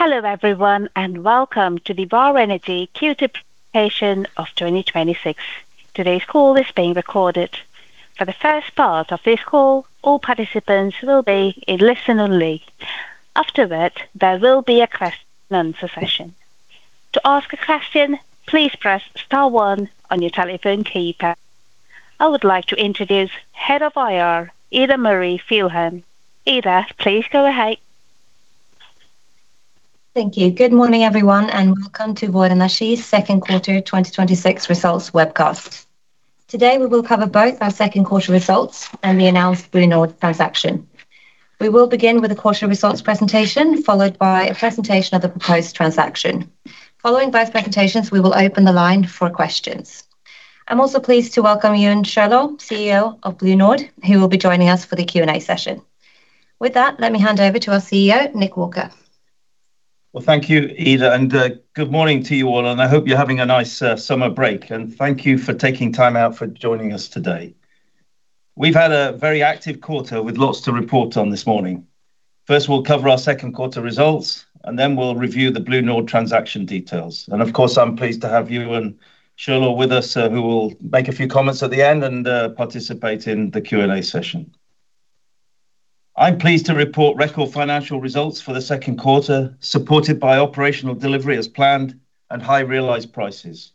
Hello everyone, and welcome to the Vår Energi Q2 presentation of 2026. Today's call is being recorded. For the first part of this call, all participants will be in listen only. Afterward, there will be a question session. To ask a question, please press star one on your telephone keypad. I would like to introduce Head of IR, Ida Marie Fjellheim. Ida, please go ahead. Thank you. Good morning, everyone, and welcome to Vår Energi's second quarter 2026 results webcast. Today, we will cover both our second quarter results and the announced BlueNord transaction. We will begin with a quarter results presentation, followed by a presentation of the proposed transaction. Following both presentations, we will open the line for questions. I'm also pleased to welcome Euan Shirlaw, CEO of BlueNord, who will be joining us for the Q&A session. With that, let me hand over to our CEO, Nick Walker. Thank you, Ida, and good morning to you all, and I hope you're having a nice summer break. Thank you for taking time out for joining us today. We've had a very active quarter with lots to report on this morning. First, we'll cover our second quarter results, and then we'll review the BlueNord transaction details. Of course, I'm pleased to have Euan Shirlaw with us, who will make a few comments at the end and participate in the Q&A session. I'm pleased to report record financial results for the second quarter, supported by operational delivery as planned and high realized prices.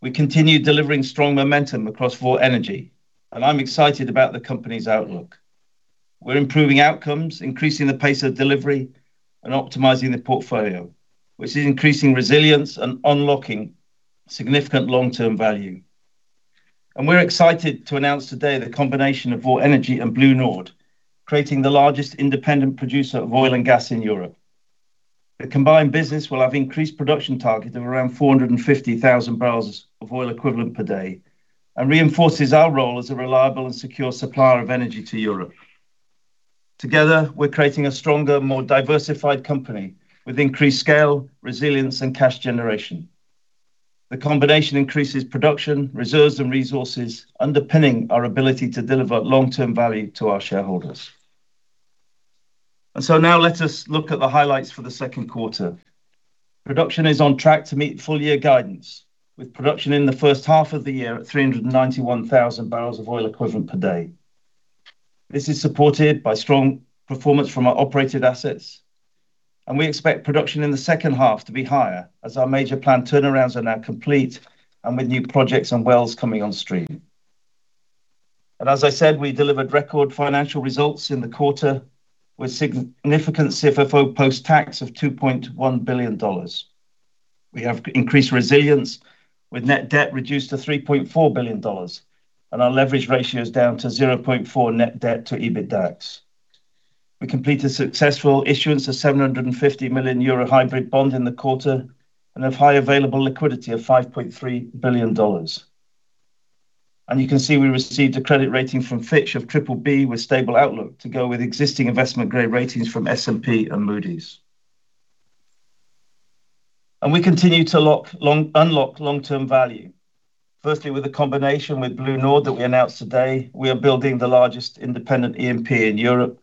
We continue delivering strong momentum across Vår Energi, and I'm excited about the company's outlook. We're improving outcomes, increasing the pace of delivery, and optimizing the portfolio, which is increasing resilience and unlocking significant long-term value. We're excited to announce today the combination of Vår Energi and BlueNord, creating the largest independent producer of oil and gas in Europe. The combined business will have increased production target of around 450,000 bbls of oil equivalent per day and reinforces our role as a reliable and secure supplier of energy to Europe. Together, we're creating a stronger, more diversified company with increased scale, resilience, and cash generation. The combination increases production, reserves and resources underpinning our ability to deliver long-term value to our shareholders. Now let us look at the highlights for the second quarter. Production is on track to meet full year guidance with production in the first half of the year at 391,000 bbls of oil equivalent per day. This is supported by strong performance from our operated assets. We expect production in the second half to be higher as our major planned turnarounds are now complete and with new projects and wells coming on stream. As I said, we delivered record financial results in the quarter with significant CFFO post-tax of $2.1 billion. We have increased resilience with net debt reduced to $3.4 billion and our leverage ratio is down to 0.4 net debt to EBITDAX. We completed successful issuance of 750 million euro hybrid bond in the quarter. We have high available liquidity of $5.3 billion. You can see we received a credit rating from Fitch of BBB with stable outlook to go with existing investment-grade ratings from S&P and Moody's. We continue to unlock long-term value. Firstly, with the combination with BlueNord that we announced today, we are building the largest independent E&P in Europe.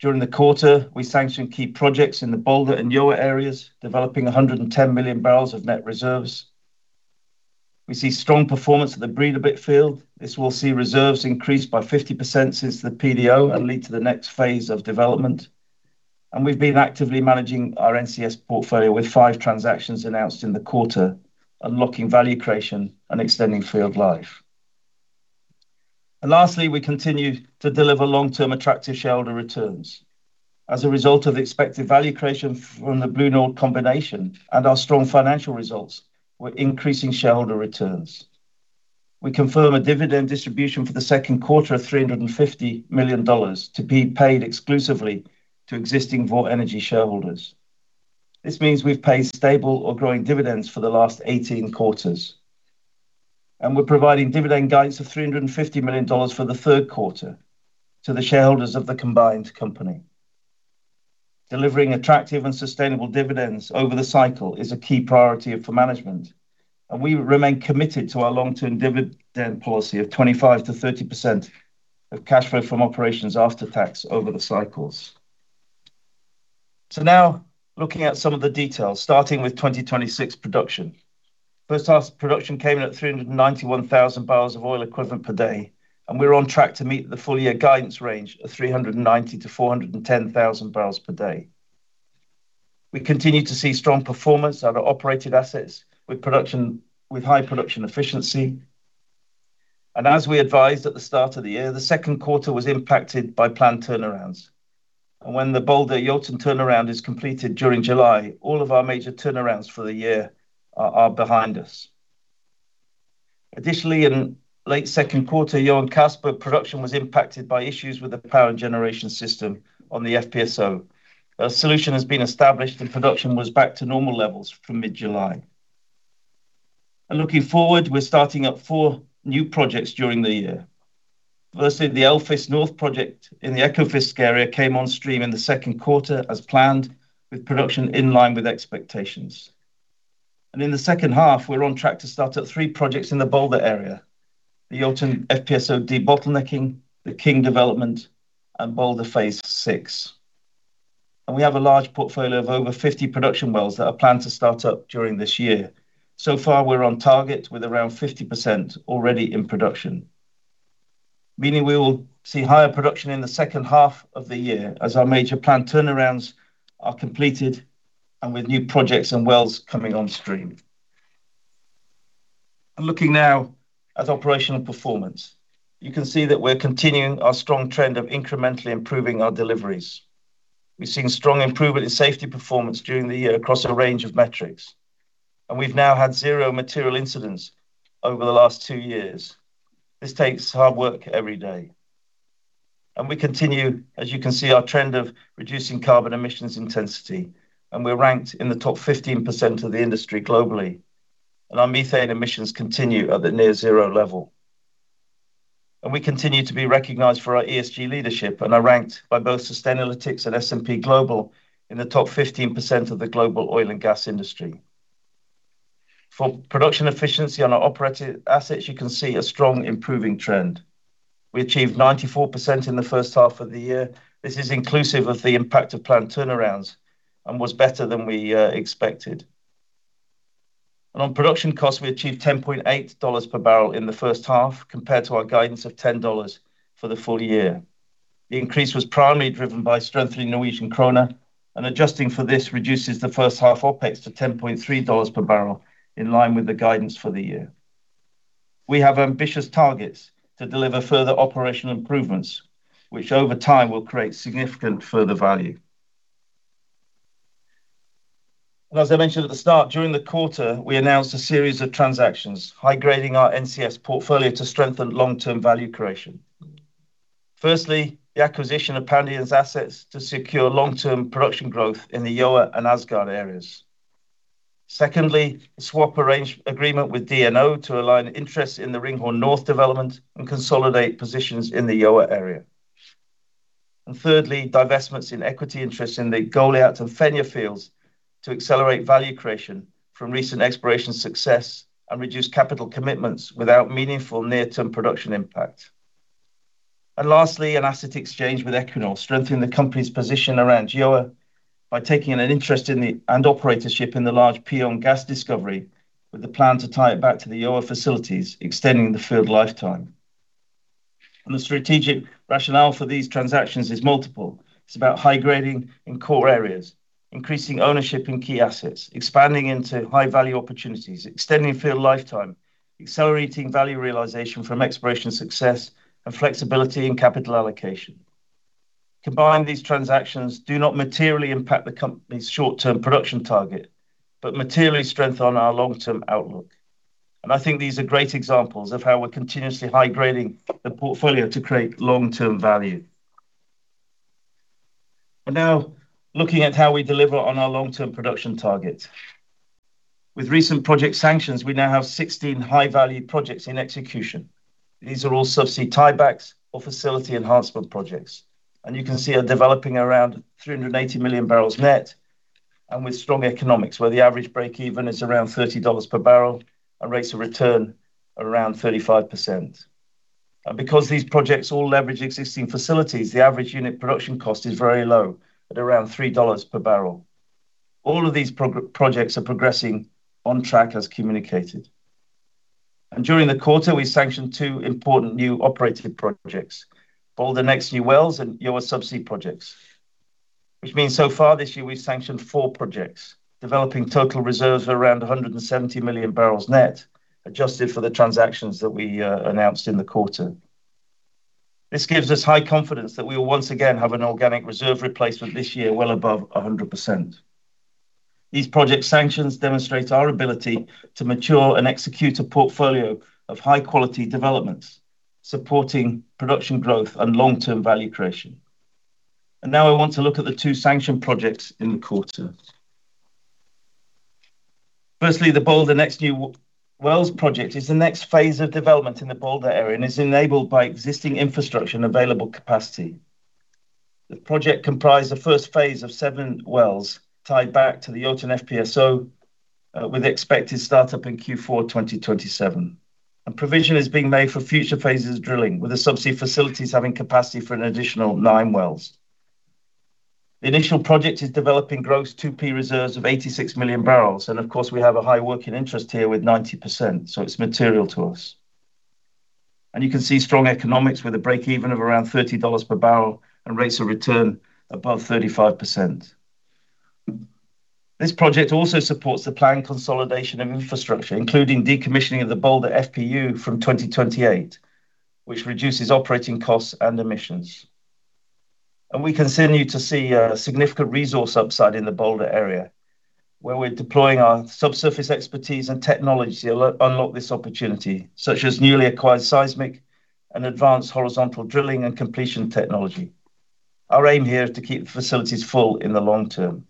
During the quarter, we sanctioned key projects in the Balder and Gjøa areas, developing 110 million bbls of net reserves. We see strong performance at the Breidablikk field. This will see reserves increased by 50% since the PDO and lead to the next phase of development. We've been actively managing our NCS portfolio with five transactions announced in the quarter, unlocking value creation and extending field life. Lastly, we continue to deliver long-term attractive shareholder returns. As a result of expected value creation from the BlueNord combination and our strong financial results, we're increasing shareholder returns. We confirm a dividend distribution for the second quarter of $350 million to be paid exclusively to existing Vår Energi shareholders. This means we've paid stable or growing dividends for the last 18 quarters. We're providing dividend guidance of $350 million for the third quarter to the shareholders of the combined company. Delivering attractive and sustainable dividends over the cycle is a key priority for management. We remain committed to our long-term dividend policy of 25%-30% of cash flow from operations after tax over the cycles. Now looking at some of the details, starting with 2026 production. First half production came in at 391,000 bbls of oil equivalent per day. We're on track to meet the full year guidance range of 390,000-410,000 bpd. We continue to see strong performance out of operated assets with high production efficiency. As we advised at the start of the year, the second quarter was impacted by planned turnarounds. When the Balder Jotun turnaround is completed during July, all of our major turnarounds for the year are behind us. Additionally, in late second quarter, Johan Castberg production was impacted by issues with the power generation system on the FPSO. A solution has been established and production was back to normal levels from mid-July. Looking forward, we're starting up four new projects during the year. Firstly, the Eldfisk North project in the Ekofisk area came on stream in the second quarter as planned, with production in line with expectations. In the second half, we're on track to start up three projects in the Balder area, the Jotun FPSO debottlenecking, the King development, and Balder Phase VI. We have a large portfolio of over 50 production wells that are planned to start up during this year. Far, we're on target with around 50% already in production, meaning we will see higher production in the second half of the year as our major planned turnarounds are completed, and with new projects and wells coming on stream. I'm looking now at operational performance. You can see that we're continuing our strong trend of incrementally improving our deliveries. We've seen strong improvement in safety performance during the year across a range of metrics, and we've now had zero material incidents over the last two years. This takes hard work every day. We continue, as you can see, our trend of reducing carbon emissions intensity, and we're ranked in the top 15% of the industry globally, and our methane emissions continue at a near zero level. We continue to be recognized for our ESG leadership and are ranked by both Sustainalytics and S&P Global in the top 15% of the global oil and gas industry. For production efficiency on our operated assets, you can see a strong improving trend. We achieved 94% in the first half of the year. This is inclusive of the impact of planned turnarounds, and was better than we expected. On production costs, we achieved $10.8 per bbl in the first half, compared to our guidance of $10 for the full year. The increase was primarily driven by strengthening Norwegian krone, and adjusting for this reduces the first half OpEx to $10.3 per bbl, in line with the guidance for the year. We have ambitious targets to deliver further operational improvements, which over time will create significant further value. As I mentioned at the start, during the quarter, we announced a series of transactions high-grading our NCS portfolio to strengthen long-term value creation. Firstly, the acquisition of Pandion Energy's assets to secure long-term production growth in the Gjøa and Åsgard areas. Secondly, a swap agreement with DNO to align interests in the Ringhorn North development and consolidate positions in the Gjøa area. Thirdly, divestments in equity interest in the Goliat and Fenja fields to accelerate value creation from recent exploration success and reduce capital commitments without meaningful near-term production impact. Lastly, an asset exchange with Equinor strengthening the company's position around Gjøa by taking an interest in the, and operatorship in the large Pion gas discovery, with the plan to tie it back to the Gjøa facilities, extending the field lifetime. The strategic rationale for these transactions is multiple. It's about high-grading in core areas, increasing ownership in key assets, expanding into high-value opportunities, extending field lifetime, accelerating value realization from exploration success, and flexibility in capital allocation. Combined, these transactions do not materially impact the company's short-term production target, but materially strengthen our long-term outlook. I think these are great examples of how we're continuously high-grading the portfolio to create long-term value. We're now looking at how we deliver on our long-term production targets. With recent project sanctions, we now have 16 high-value projects in execution. These are all subsea tiebacks or facility enhancement projects, and you can see are developing around 380 million bbls net, and with strong economics, where the average break even is around $30 per bbl and rates of return are around 35%. Because these projects all leverage existing facilities, the average unit production cost is very low, at around $3 per bbl. All of these projects are progressing on track as communicated. During the quarter, we sanctioned two important new operated projects, Balder Next New Wells and Gjøa subsea projects. Which means so far this year, we've sanctioned four projects, developing total reserves of around 170 million bbls net, adjusted for the transactions that we announced in the quarter. This gives us high confidence that we will once again have an organic reserve replacement this year well above 100%. These project sanctions demonstrate our ability to mature and execute a portfolio of high-quality developments, supporting production growth and long-term value creation. Now I want to look at the two sanctioned projects in the quarter. Firstly, the Balder Next New Wells project is the next phase of development in the Balder area and is enabled by existing infrastructure and available capacity. The project comprised the first phase of seven wells tied back to the Jotun FPSO with expected startup in Q4 2027. Provision is being made for future phases drilling, with the subsea facilities having capacity for an additional nine wells. The initial project is developing gross 2P reserves of 86 million bbls. Of course, we have a high working interest here with 90%, so it's material to us. You can see strong economics with a break even of around $30 per bbl and rates of return above 35%. This project also supports the planned consolidation of infrastructure, including decommissioning of the Balder FPU from 2028, which reduces operating costs and emissions. We continue to see a significant resource upside in the Balder area, where we're deploying our subsurface expertise and technology to unlock this opportunity, such as newly acquired seismic and advanced horizontal drilling and completion technology. Our aim here is to keep the facilities full in the long term.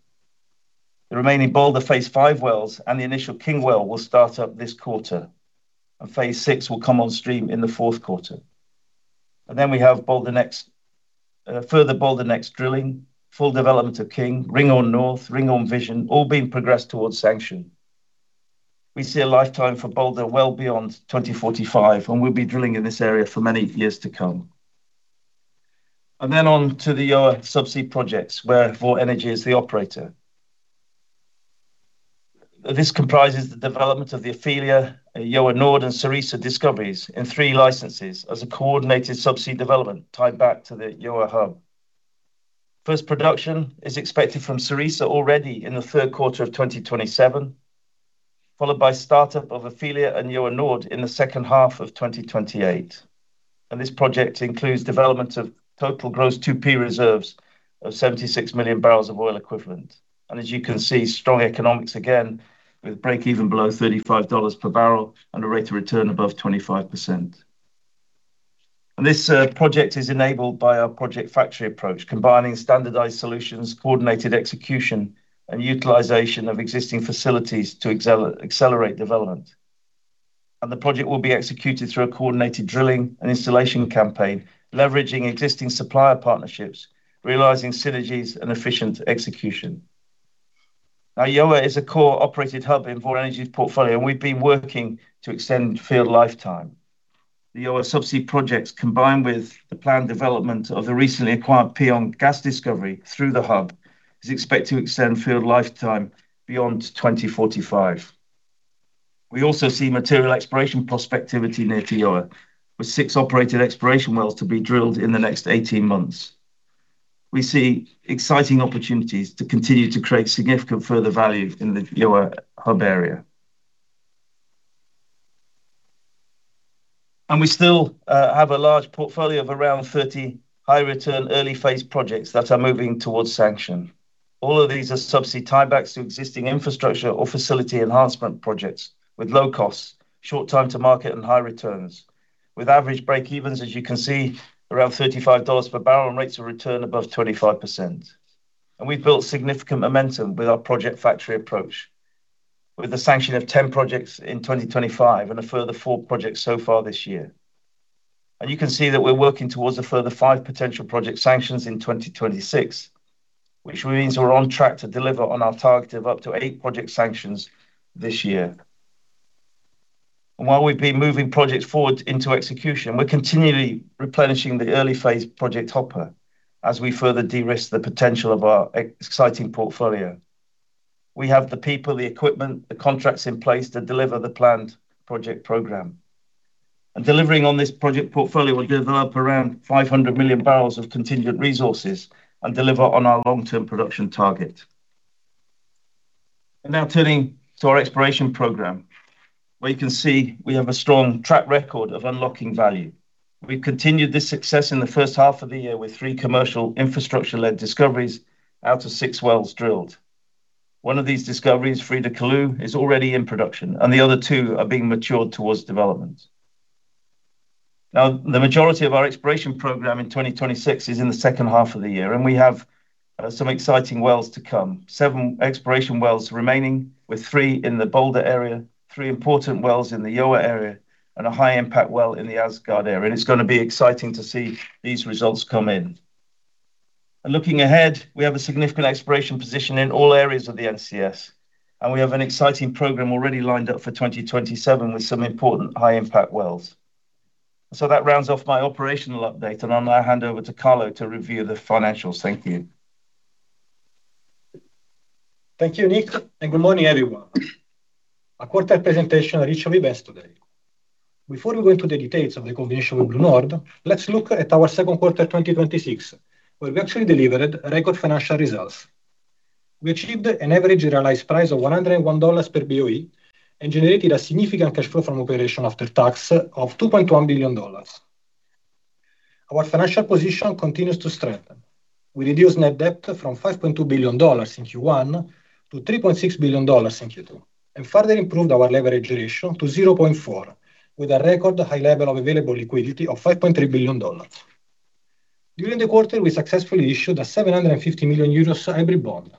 The remaining Balder Phase V wells and the initial King well will start up this quarter, and Phase VI will come on stream in the fourth quarter. Then we have further Balder next drilling, full development of King, Ringhorn North, Ringhorn Vision, all being progressed towards sanction. We see a lifetime for Balder well beyond 2045, and we'll be drilling in this area for many years to come. Then on to the Gjøa subsea projects where Vår Energi is the operator. This comprises the development of the Ofelia, Yme Nord, and Cerisa discoveries in three licenses as a coordinated subsea development tied back to the Gjøa hub. First production is expected from Cerisa already in the third quarter of 2027, followed by startup of Ofelia and Yme Nord in the second half of 2028. This project includes development of total gross 2P reserves of 76 million bbls of oil equivalent. As you can see, strong economics, again, with break even below $35 per bbl and a rate of return above 25%. This project is enabled by our project factory approach, combining standardized solutions, coordinated execution, and utilization of existing facilities to accelerate development. The project will be executed through a coordinated drilling and installation campaign, leveraging existing supplier partnerships, realizing synergies and efficient execution. Gjøa is a core operated hub in Vår Energi's portfolio, and we've been working to extend field lifetime. The Gjøa subsea projects, combined with the planned development of the recently acquired Pion gas discovery through the hub, is expected to extend field lifetime beyond 2045. We also see material exploration prospectivity near to Gjøa, with six operated exploration wells to be drilled in the next 18 months. We see exciting opportunities to continue to create significant further value in the Gjøa hub area. We still have a large portfolio of around 30 high-return early phase projects that are moving towards sanction. All of these are subsea tie-backs to existing infrastructure or facility enhancement projects with low costs, short time to market, and high returns, with average break evens, as you can see, around $35 per bbl and rates of return above 25%. We've built significant momentum with our project factory approach with the sanction of 10 projects in 2025 and a further four projects so far this year. You can see that we're working towards a further five potential project sanctions in 2026, which means we're on track to deliver on our target of up to eight project sanctions this year. While we've been moving projects forward into execution, we're continually replenishing the early phase project hopper as we further de-risk the potential of our exciting portfolio. We have the people, the equipment, the contracts in place to deliver the planned project program. Delivering on this project portfolio will develop around 500 million bbls of contingent resources and deliver on our long-term production target. Now turning to our exploration program, where you can see we have a strong track record of unlocking value. We've continued this success in the first half of the year with three commercial infrastructure-led discoveries out of six wells drilled. One of these discoveries, Frida Kalu, is already in production, and the other two are being matured towards development. The majority of our exploration program in 2026 is in the second half of the year, and we have some exciting wells to come. Seven exploration wells remaining, with three in the Balder area, three important wells in the Gjøa area, and a high-impact well in the Åsgard area. It's going to be exciting to see these results come in. Looking ahead, we have a significant exploration position in all areas of the NCS, and we have an exciting program already lined up for 2027 with some important high-impact wells. That rounds off my operational update, I'll now hand over to Carlo to review the financials. Thank you. Thank you, Nick, and good morning, everyone. Our quarter presentation will be best today. Before we go into the details of the combination with BlueNord, let's look at our second quarter 2026, where we actually delivered record financial results. We achieved an average realized price of $101 per BOE and generated a significant cash flow from operation after tax of $2.1 billion. Our financial position continues to strengthen. We reduced net debt from $5.2 billion in Q1 to $3.6 billion in Q2, and further improved our leverage ratio to 0.4 with a record high level of available liquidity of $5.3 billion. During the quarter, we successfully issued a 750 million euros hybrid bond,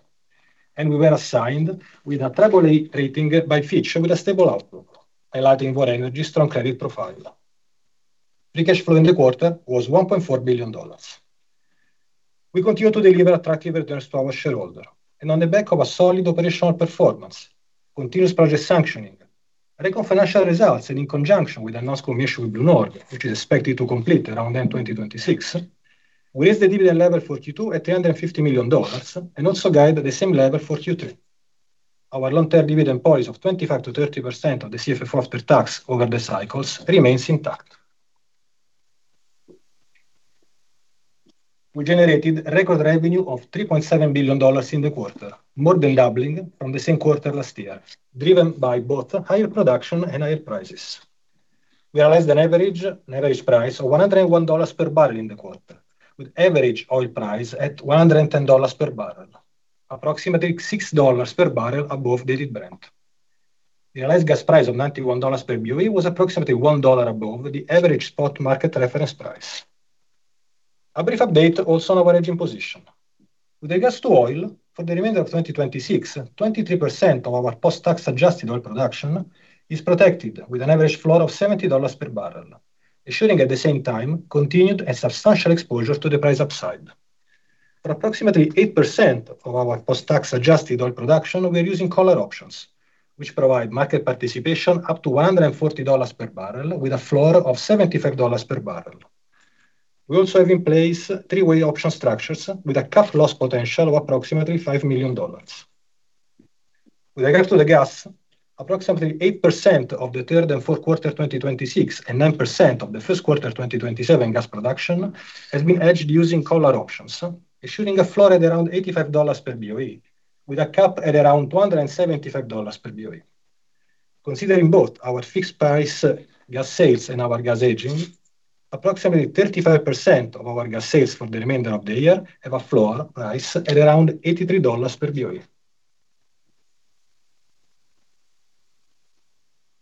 and we were assigned with a BBB rating by Fitch with a stable outlook, highlighting Vår Energi's strong credit profile. Free cash flow in the quarter was $1.4 billion. We continue to deliver attractive returns to our shareholder. On the back of a solid operational performance, continuous project sanctioning, record financial results, and in conjunction with announced combination with BlueNord, which is expected to complete around end 2026, we raised the dividend level for Q2 at $350 million and also guide the same level for Q3. Our long-term dividend policy of 25%-30% of the CFFO after tax over the cycles remains intact. We generated record revenue of $3.7 billion in the quarter, more than doubling from the same quarter last year, driven by both higher production and higher prices. We realized an average price of $101 per bbl in the quarter, with average oil price at $110 per bbl, approximately $6 per bbl above dated Brent. The realized gas price of $91 per BOE was approximately $1 above the average spot market reference price. A brief update also on our hedging position. With regards to oil, for the remainder of 2026, 23% of our post-tax adjusted oil production is protected with an average floor of $70 per bbl, ensuring at the same time continued and substantial exposure to the price upside. For approximately 8% of our post-tax adjusted oil production, we are using collar options, which provide market participation up to $140 per bbl with a floor of $75 per bbl. We also have in place three-way option structures with a cap loss potential of approximately $5 million. With regard to the gas, approximately 8% of the third and fourth quarter 2026, and 9% of the first quarter 2027 gas production has been hedged using collar options, ensuring a floor at around $85 per BOE, with a cap at around $175 per BOE. Considering both our fixed price gas sales and our gas hedging, approximately 35% of our gas sales for the remainder of the year have a floor price at around $83 per BOE.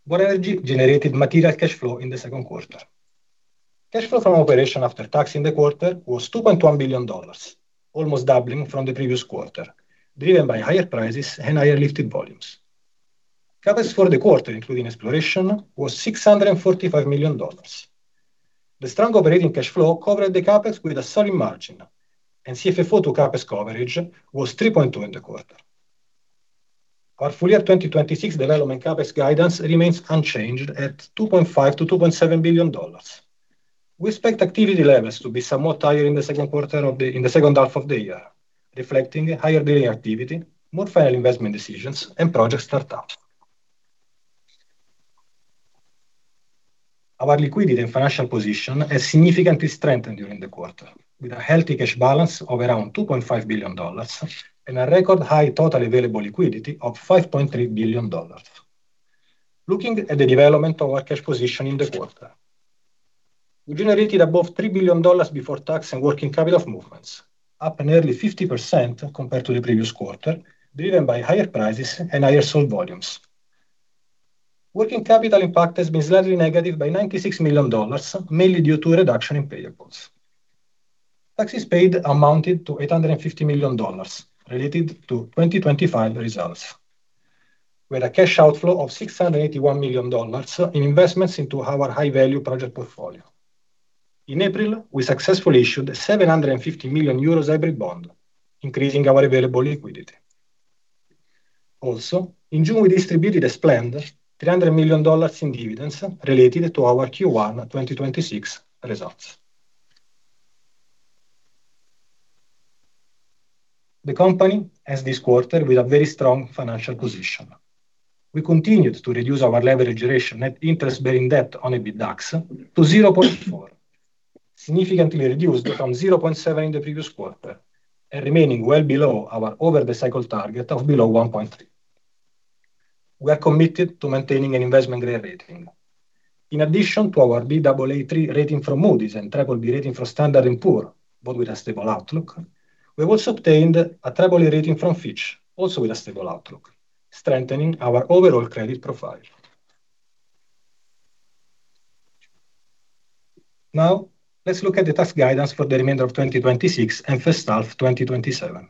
Vår Energi generated material cash flow in the second quarter. Cash flow from operation after tax in the quarter was $2.1 billion, almost doubling from the previous quarter, driven by higher prices and higher lifted volumes. CapEx for the quarter, including exploration, was $645 million. The strong operating cash flow covered the CapEx with a solid margin, and CFFO to CapEx coverage was 3.2 in the quarter. Our full year 2026 development CapEx guidance remains unchanged at $2.5 billion-$2.7 billion. We expect activity levels to be somewhat higher in the second half of the year, reflecting higher drilling activity, more final investment decisions, and project startups. Our liquidity and financial position has significantly strengthened during the quarter, with a healthy cash balance of around $2.5 billion and a record high total available liquidity of $5.3 billion. Looking at the development of our cash position in the quarter. We generated above $3 billion before tax and working capital movements, up nearly 50% compared to the previous quarter, driven by higher prices and higher sold volumes. Working capital impact has been slightly negative by $96 million, mainly due to a reduction in payables. Taxes paid amounted to $850 million, related to 2025 results, with a cash outflow of $681 million in investments into our high-value project portfolio. In April, we successfully issued a 750 million euros hybrid bond, increasing our available liquidity. In June, we distributed as planned, $300 million in dividends related to our Q1 2026 results. The company, as this quarter, with a very strong financial position. We continued to reduce our leverage ratio net interest bearing debt on EBITDAX to 0.4, significantly reduced from 0.7 in the previous quarter, and remaining well below our over the cycle target of below 1.3. We are committed to maintaining an investment-grade rating. In addition to our Baa3 rating from Moody's and BBB rating from Standard & Poor's, both with a stable outlook, we also obtained a BBB rating from Fitch, also with a stable outlook, strengthening our overall credit profile. Let's look at the tax guidance for the remainder of 2026 and first half 2027.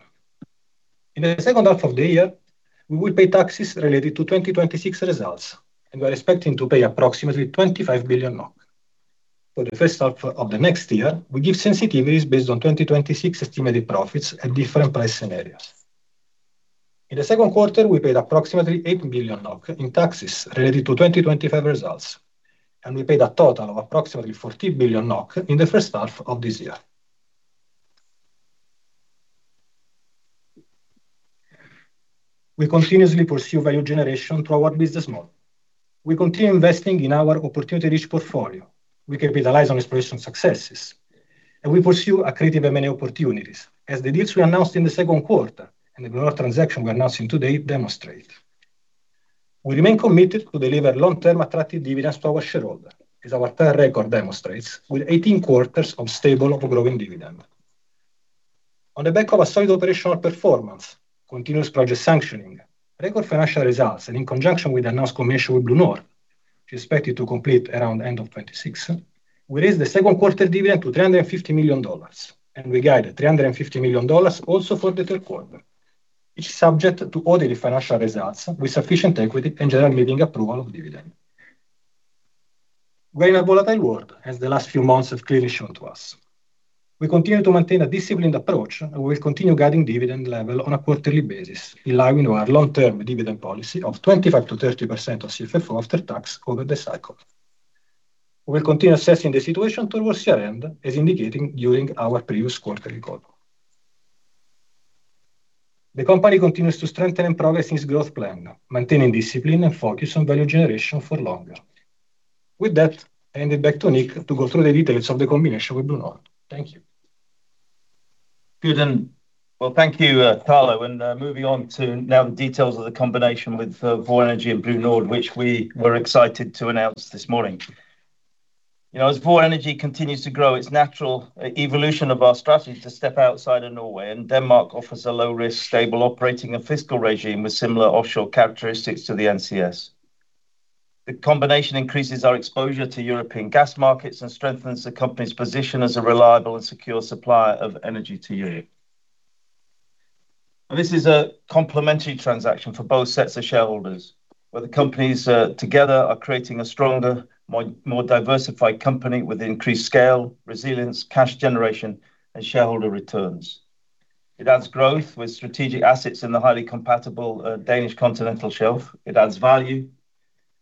In the second half of the year, we will pay taxes related to 2026 results, and we are expecting to pay approximately 25 billion NOK. For the first half of the next year, we give sensitivities based on 2026 estimated profits at different price scenarios. In the second quarter, we paid approximately 8 billion NOK in taxes related to 2025 results, and we paid a total of approximately 14 billion NOK in the first half of this year. We continuously pursue value generation through our business model. We continue investing in our opportunity-rich portfolio. We capitalize on exploration successes, and we pursue accretive M&A opportunities as the deals we announced in the second quarter and the BlueNord transaction we are announcing today demonstrate. We remain committed to deliver long-term attractive dividends to our shareholder, as our third record demonstrates, with 18 quarters of stable or growing dividend. On the back of a solid operational performance, continuous project sanctioning, record financial results, and in conjunction with the announced combination with BlueNord, which is expected to complete around end of 2026, we raised the second quarter dividend to $350 million, and we guide $350 million also for the third quarter. It's subject to audited financial results with sufficient equity and general meeting approval of dividend. We're in a volatile world, as the last few months have clearly shown to us. We continue to maintain a disciplined approach, and we will continue guiding dividend level on a quarterly basis, in line with our long-term dividend policy of 25%-30% of CFFO after tax over the cycle. We will continue assessing the situation towards year-end, as indicated during our previous quarterly call. The company continues to strengthen and progress its growth plan, maintaining discipline and focus on value generation for longer. With that, I hand it back to Nick to go through the details of the combination with BlueNord. Thank you. Well, thank you, Carlo. Moving on to now the details of the combination with Vår Energi and BlueNord, which we were excited to announce this morning. As Vår Energi continues to grow, its natural evolution of our strategy to step outside of Norway, and Denmark offers a low risk, stable operating and fiscal regime with similar offshore characteristics to the NCS. The combination increases our exposure to European gas markets and strengthens the company's position as a reliable and secure supplier of energy to Europe. This is a complementary transaction for both sets of shareholders, where the companies together are creating a stronger, more diversified company with increased scale, resilience, cash generation, and shareholder returns. It adds growth with strategic assets in the highly compatible Danish continental shelf. It adds value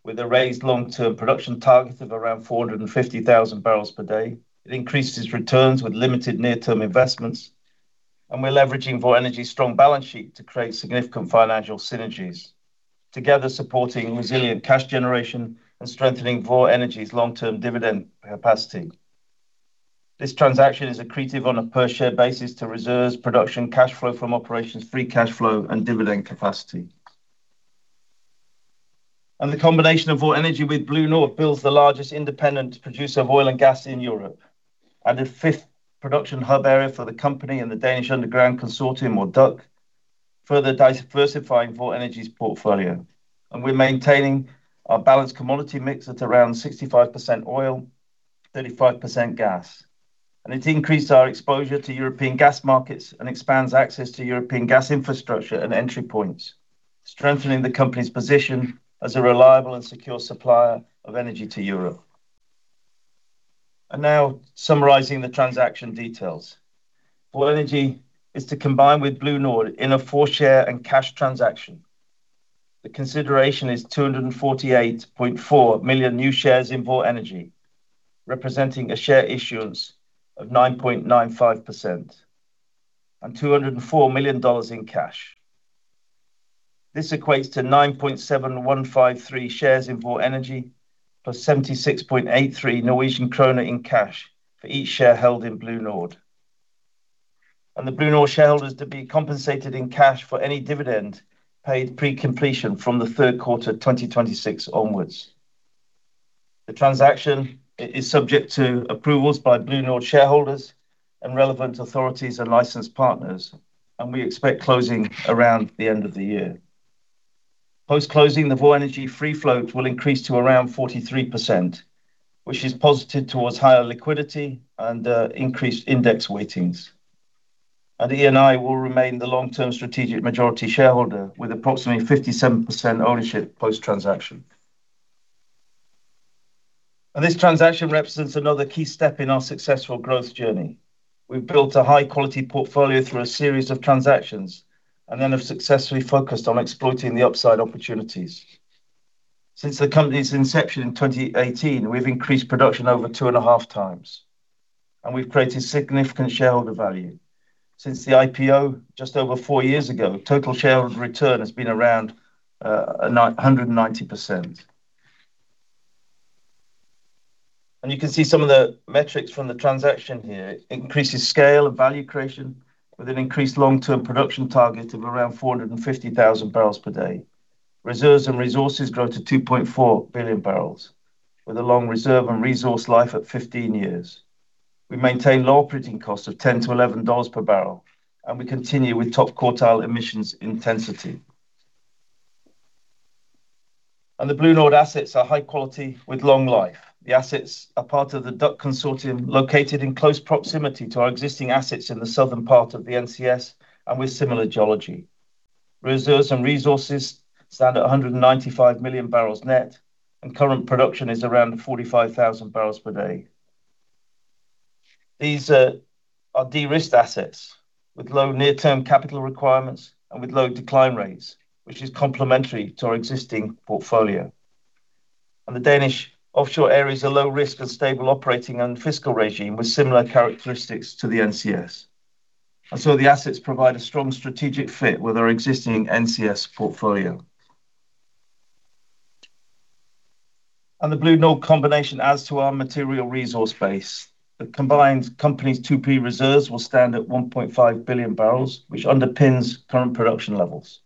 with a raised long-term production target of around 450,000 bbls per day. It increases returns with limited near-term investments. We're leveraging Vår Energi's strong balance sheet to create significant financial synergies. Together, supporting resilient cash generation and strengthening Vår Energi's long-term dividend capacity. This transaction is accretive on a per-share basis to reserves production, cash flow from operations, free cash flow, and dividend capacity. The combination of Vår Energi with BlueNord builds the largest independent producer of oil and gas in Europe, and a fifth production hub area for the company and the Danish Underground Consortium, or DUC, further diversifying Vår Energi's portfolio. We're maintaining our balanced commodity mix at around 65% oil, 35% gas. It increased our exposure to European gas markets and expands access to European gas infrastructure and entry points, strengthening the company's position as a reliable and secure supplier of energy to Europe. Now summarizing the transaction details. Vår Energi is to combine with BlueNord in a full share and cash transaction. The consideration is $248.4 million new shares in Vår Energi, representing a share issuance of 9.95%, and $204 million in cash. This equates to 9.7153 shares in Vår Energi, plus 76.83 Norwegian krone in cash for each share held in BlueNord. The BlueNord shareholders are to be compensated in cash for any dividend paid pre-completion from the third quarter 2026 onwards. The transaction is subject to approvals by BlueNord shareholders and relevant authorities and licensed partners, and we expect closing around the end of the year. Post-closing, the Vår Energi free float will increase to around 43%, which is posited towards higher liquidity and increased index weightings. Eni will remain the long-term strategic majority shareholder with approximately 57% ownership post-transaction. This transaction represents another key step in our successful growth journey. We've built a high-quality portfolio through a series of transactions, then have successfully focused on exploiting the upside opportunities. Since the company's inception in 2018, we've increased production over two and a half times, and we've created significant shareholder value. Since the IPO just over four years ago, total shareholder return has been around 190%. You can see some of the metrics from the transaction here. Increases scale and value creation with an increased long-term production target of around 450,000 bbls per day. Reserves and resources grow to 2.4 billion bbls with a long reserve and resource life of 15 years. We maintain low operating costs of $10 to $11 per bbl, and we continue with top quartile emissions intensity. The BlueNord assets are high quality with long life. The assets are part of the DUC consortium, located in close proximity to our existing assets in the southern part of the NCS and with similar geology. Reserves and resources stand at 195 million bbls net, and current production is around 45,000 bbls per day. These are de-risked assets with low near-term capital requirements and with low decline rates, which is complementary to our existing portfolio. The Danish offshore areas are low risk and stable operating and fiscal regime with similar characteristics to the NCS. The assets provide a strong strategic fit with our existing NCS portfolio. The BlueNord combination adds to our material resource base. The combined company's 2P reserves will stand at 1.5 billion bbls, which underpins current production levels.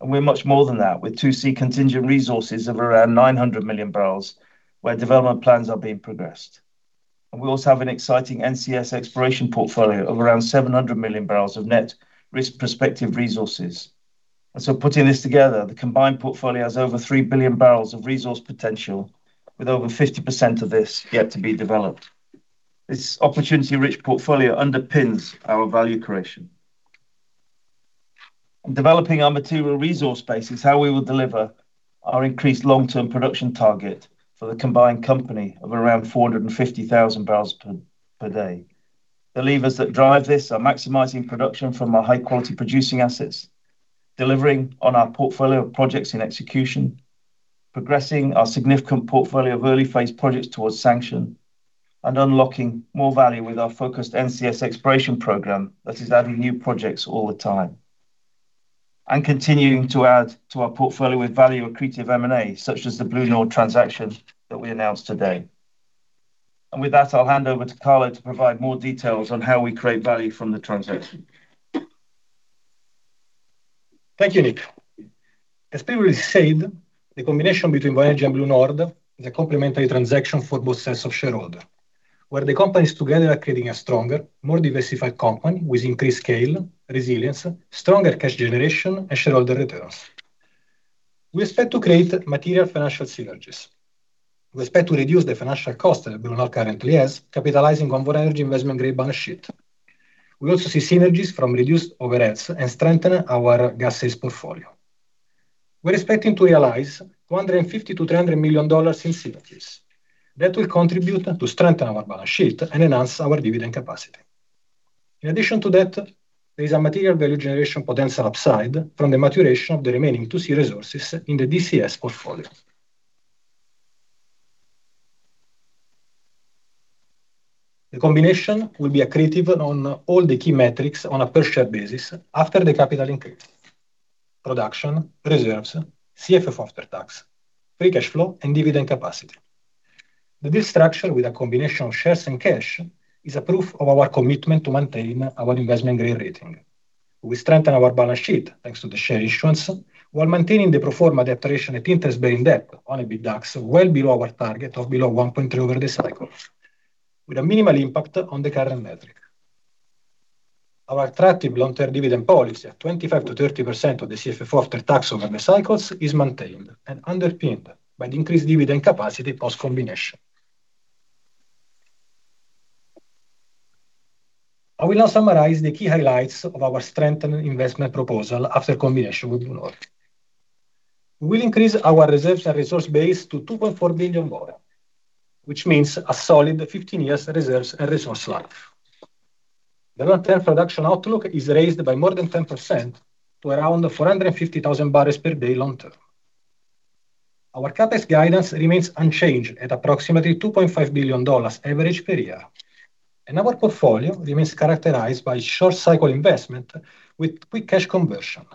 We're much more than that, with 2C contingent resources of around 900 million bbls, where development plans are being progressed. We also have an exciting NCS exploration portfolio of around 700 million bbls of net risk prospective resources. Putting this together, the combined portfolio has over 3 billion bbls of resource potential, with over 50% of this yet to be developed. This opportunity-rich portfolio underpins our value creation. Developing our material resource base is how we will deliver our increased long-term production target for the combined company of around 450,000 bbls per day. The levers that drive this are maximizing production from our high-quality producing assets, delivering on our portfolio of projects in execution, progressing our significant portfolio of early-phase projects towards sanction, and unlocking more value with our focused NCS exploration program that is adding new projects all the time. Continuing to add to our portfolio with value accretive M&A, such as the BlueNord transaction that we announced today. With that, I'll hand over to Carlo to provide more details on how we create value from the transaction. Thank you, Nick. As Nick has said, the combination between Vår Energi and BlueNord is a complementary transaction for both sets of shareholders. The companies together are creating a stronger, more diversified company with increased scale, resilience, stronger cash generation, and shareholder returns. We expect to create material financial synergies. We expect to reduce the financial cost that BlueNord currently has, capitalizing on Vår Energi investment-grade balance sheet. We also see synergies from reduced overheads and strengthen our gas sales portfolio. We are expecting to realize $250 million-$300 million in synergies that will contribute to strengthen our balance sheet and enhance our dividend capacity. In addition to that, there is a material value generation potential upside from the maturation of the remaining 2C contingent resources in the DUC portfolio. The combination will be accretive on all the key metrics on a per share basis after the capital increase. Production, reserves, CFF after tax, free cash flow, and dividend capacity. The deal structure with a combination of shares and cash is a proof of our commitment to maintain our investment-grade rating. We strengthen our balance sheet, thanks to the share issuance, while maintaining the pro forma definition at interest-bearing debt on EBITDAX well below our target of below 1.3 over the cycles, with a minimal impact on the current metric. Our attractive long-term dividend policy at 25%-30% of the CFF after tax over the cycles is maintained and underpinned by the increased dividend capacity post-combination. I will now summarize the key highlights of our strengthened investment proposal after combination with BlueNord. We will increase our reserves and resource base to 2.4 billion BOE, which means a solid 15 years reserves and resource life. The long-term production outlook is raised by more than 10% to around 450,000 bbls per day long term. Our CapEx guidance remains unchanged at approximately $2.5 billion average per year. Our portfolio remains characterized by short-cycle investment with quick cash conversion,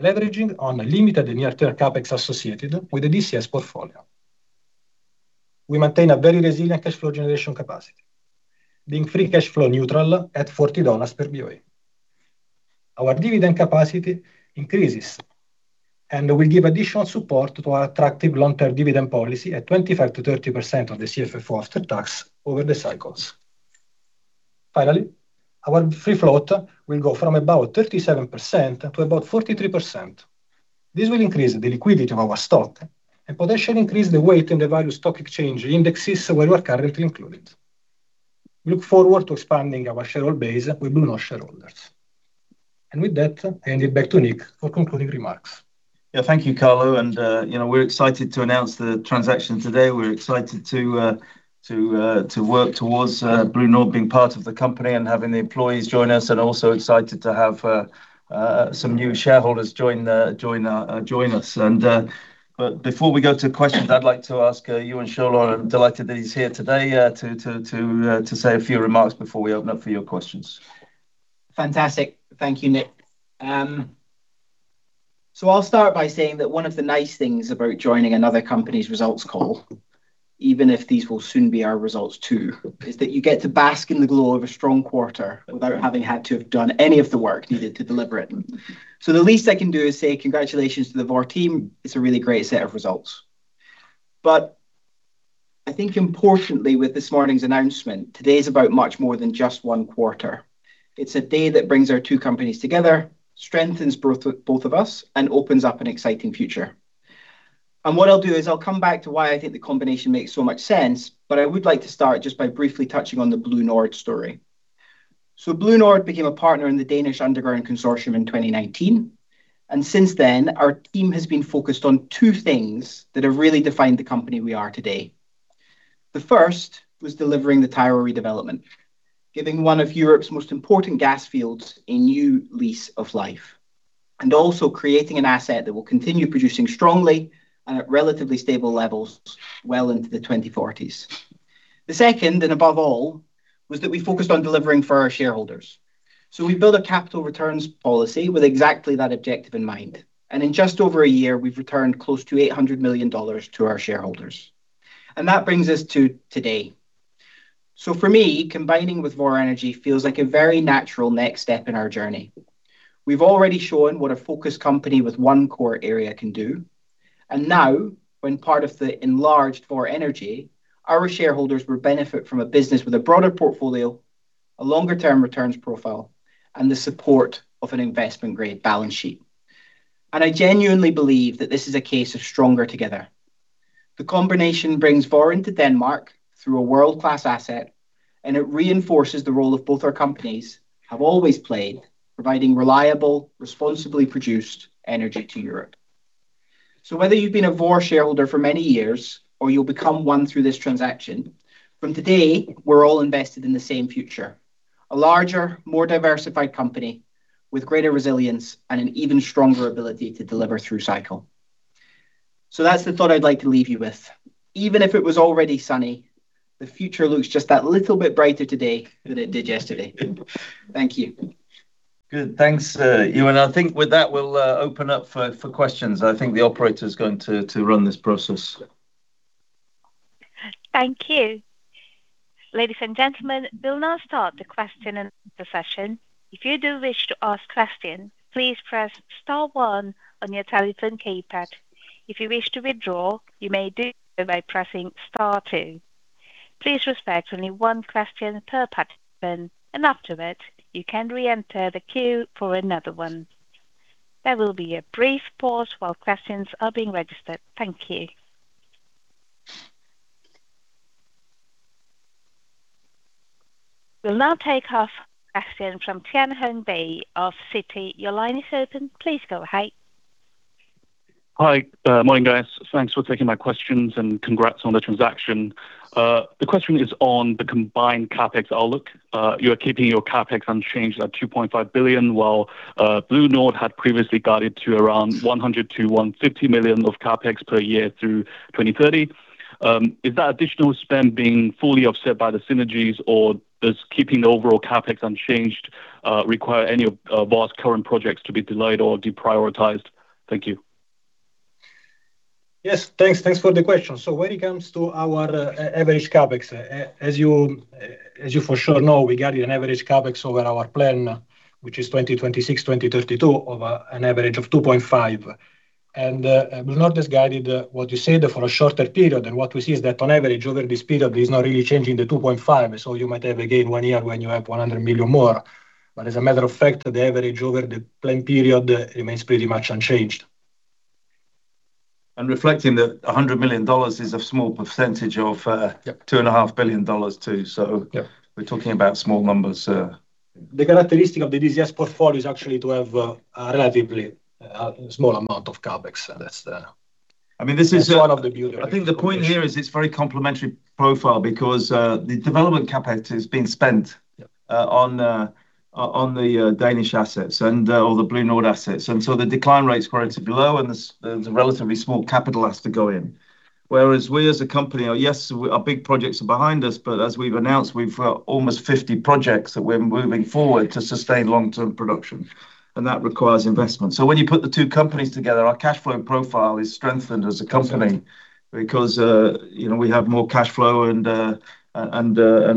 leveraging on limited near-term CapEx associated with the DUC portfolio. We maintain a very resilient cash flow generation capacity, being free cash flow neutral at $40 per BOE. Our dividend capacity increases, will give additional support to our attractive long-term dividend policy at 25%-30% of the CFF after tax over the cycles. Finally, our free float will go from about 37%-43%. This will increase the liquidity of our stock and potentially increase the weight in the various stock exchange indexes where we are currently included. We look forward to expanding our shareholder base with BlueNord shareholders. With that, I hand it back to Nick for concluding remarks. Thank you, Carlo. We're excited to announce the transaction today. We're excited to work towards BlueNord being part of the company and having the employees join us, and also excited to have some new shareholders join us. Before we go to questions, I'd like to ask Euan Shirlaw, I'm delighted that he's here today, to say a few remarks before we open up for your questions. Fantastic. Thank you, Nick. I'll start by saying that one of the nice things about joining another company's results call, even if these will soon be our results, too, is that you get to bask in the glow of a strong quarter without having had to have done any of the work needed to deliver it. The least I can do is say congratulations to the Vår team. It's a really great set of results. I think importantly with this morning's announcement, today is about much more than just one quarter. It's a day that brings our two companies together, strengthens both of us, and opens up an exciting future. What I'll do is I'll come back to why I think the combination makes so much sense, but I would like to start just by briefly touching on the BlueNord story. BlueNord became a partner in the Danish Underground Consortium in 2019. Since then, our team has been focused on two things that have really defined the company we are today. The first was delivering the Tyra redevelopment, giving one of Europe's most important gas fields a new lease of life, and also creating an asset that will continue producing strongly and at relatively stable levels well into the 2040s. The second, and above all, was that we focused on delivering for our shareholders. We built a capital returns policy with exactly that objective in mind. In just over a year, we've returned close to NOK 800 million to our shareholders. That brings us to today. For me, combining with Vår Energi feels like a very natural next step in our journey. We've already shown what a focused company with one core area can do, and now when part of the enlarged Vår Energi, our shareholders will benefit from a business with a broader portfolio, a longer-term returns profile, and the support of an investment-grade balance sheet. I genuinely believe that this is a case of stronger together. The combination brings Vår into Denmark through a world-class asset, and it reinforces the role of both our companies have always played, providing reliable, responsibly produced energy to Europe. Whether you've been a Vår shareholder for many years or you'll become one through this transaction, from today, we're all invested in the same future. A larger, more diversified company with greater resilience and an even stronger ability to deliver through cycle. That's the thought I'd like to leave you with. Even if it was already sunny, the future looks just that little bit brighter today than it did yesterday. Thank you. Good. Thanks, Euan. I think with that, we'll open up for questions. I think the operator is going to run this process. Thank you. Ladies and gentlemen, we'll now start the question and answer session. If you do wish to ask questions, please press star one on your telephone keypad. If you wish to withdraw, you may do so by pressing star two. Please respect only one question per participant, and afterward, you can reenter the queue for another one. There will be a brief pause while questions are being registered. Thank you. We'll now take our first question from Tianhong Bi of Citi. Your line is open. Please go ahead. Hi. Morning, guys. Thanks for taking my questions and congrats on the transaction. The question is on the combined CapEx outlook. You are keeping your CapEx unchanged at $2.5 billion, while BlueNord had previously guided to around 100 million to 150 million of CapEx per year through 2030. Is that additional spend being fully offset by the synergies, or does keeping the overall CapEx unchanged require any of Vår's current projects to be delayed or deprioritized? Thank you. Yes. Thanks for the question. When it comes to our average CapEx, as you for sure know, we guided an average CapEx over our plan, which is 2026, 2032, of an average of $2.5 billion. BlueNord has guided what you said for a shorter period. What we see is that on average, over this period, it is not really changing the $2.5 billion. You might have, again, one year when you have 100 million more. As a matter of fact, the average over the plan period remains pretty much unchanged. Reflecting that NOK 100 million is a small % of Yep $2.5 billion too. Yeah We're talking about small numbers. The characteristic of the DCS portfolio is actually to have a relatively small amount of CapEx. This is- That's one of the beauties. I think the point here is it's very complementary profile because the development CapEx is being spent. Yep On the Danish assets or the BlueNord assets. The decline rates were relatively low, and there's a relatively small capital has to go in. Whereas we as a company are, yes, our big projects are behind us, but as we've announced, we've almost 50 projects that we're moving forward to sustain long-term production, and that requires investment. When you put the two companies together, our cash flow profile is strengthened as a company because we have more cash flow and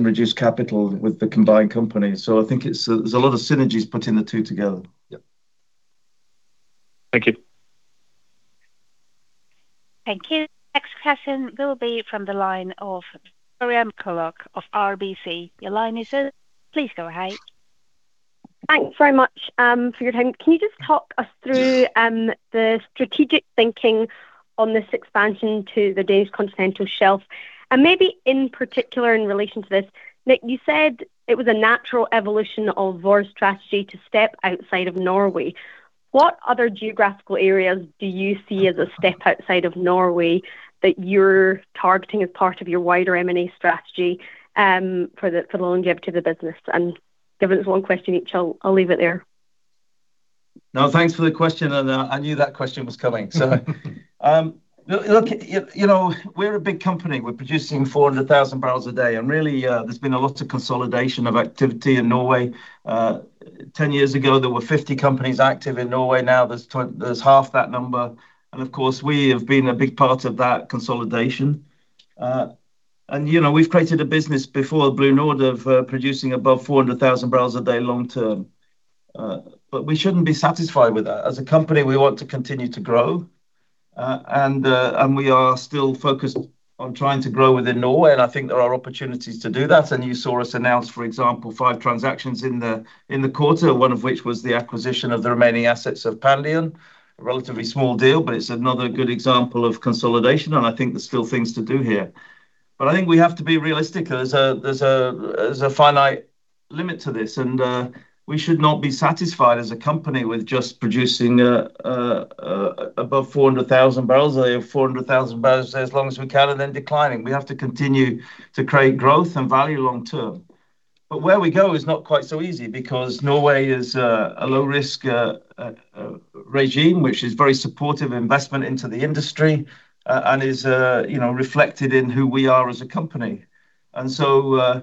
reduced capital with the combined company. I think there's a lot of synergies putting the two together. Yep. Thank you. Thank you. Next question will be from the line of Lorraine Colluch of RBC. Your line is open. Please go ahead. Thanks very much for your time. Can you just talk us through the strategic thinking on this expansion to the Danish continental shelf? Maybe in particular, in relation to this, Nick, you said it was a natural evolution of Vår's strategy to step outside of Norway. What other geographical areas do you see as a step outside of Norway that you're targeting as part of your wider M&A strategy for the longevity of the business? Given it's one question each, I'll leave it there. Thanks for the question. I knew that question was coming. Look, we're a big company. We're producing 400,000 bbls a day. Really, there's been a lot of consolidation of activity in Norway. 10 years ago, there were 50 companies active in Norway. Now, there's half that number. Of course, we have been a big part of that consolidation. We've created a business before BlueNord of producing above 400,000 bbls a day long term. We shouldn't be satisfied with that. As a company, we want to continue to grow. We are still focused on trying to grow within Norway. I think there are opportunities to do that. You saw us announce, for example, five transactions in the quarter, one of which was the acquisition of the remaining assets of Pandion. A relatively small deal. It's another good example of consolidation. I think there's still things to do here. I think we have to be realistic. There's a finite limit to this. We should not be satisfied as a company with just producing above 400,000 bbls a day or 400,000 bbls a day as long as we can and then declining. We have to continue to create growth and value long term. Where we go is not quite so easy because Norway is a low-risk regime, which is very supportive of investment into the industry. It is reflected in who we are as a company. What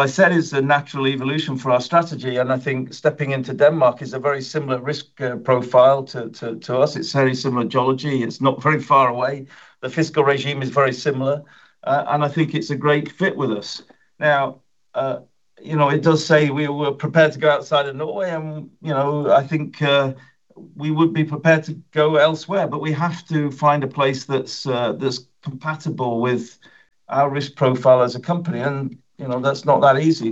I said is a natural evolution for our strategy. I think stepping into Denmark is a very similar risk profile to us. It's very similar geology. It's not very far away. The fiscal regime is very similar. I think it's a great fit with us. Now, it does say we were prepared to go outside of Norway. I think we would be prepared to go elsewhere. We have to find a place that's compatible with our risk profile as a company. That's not that easy.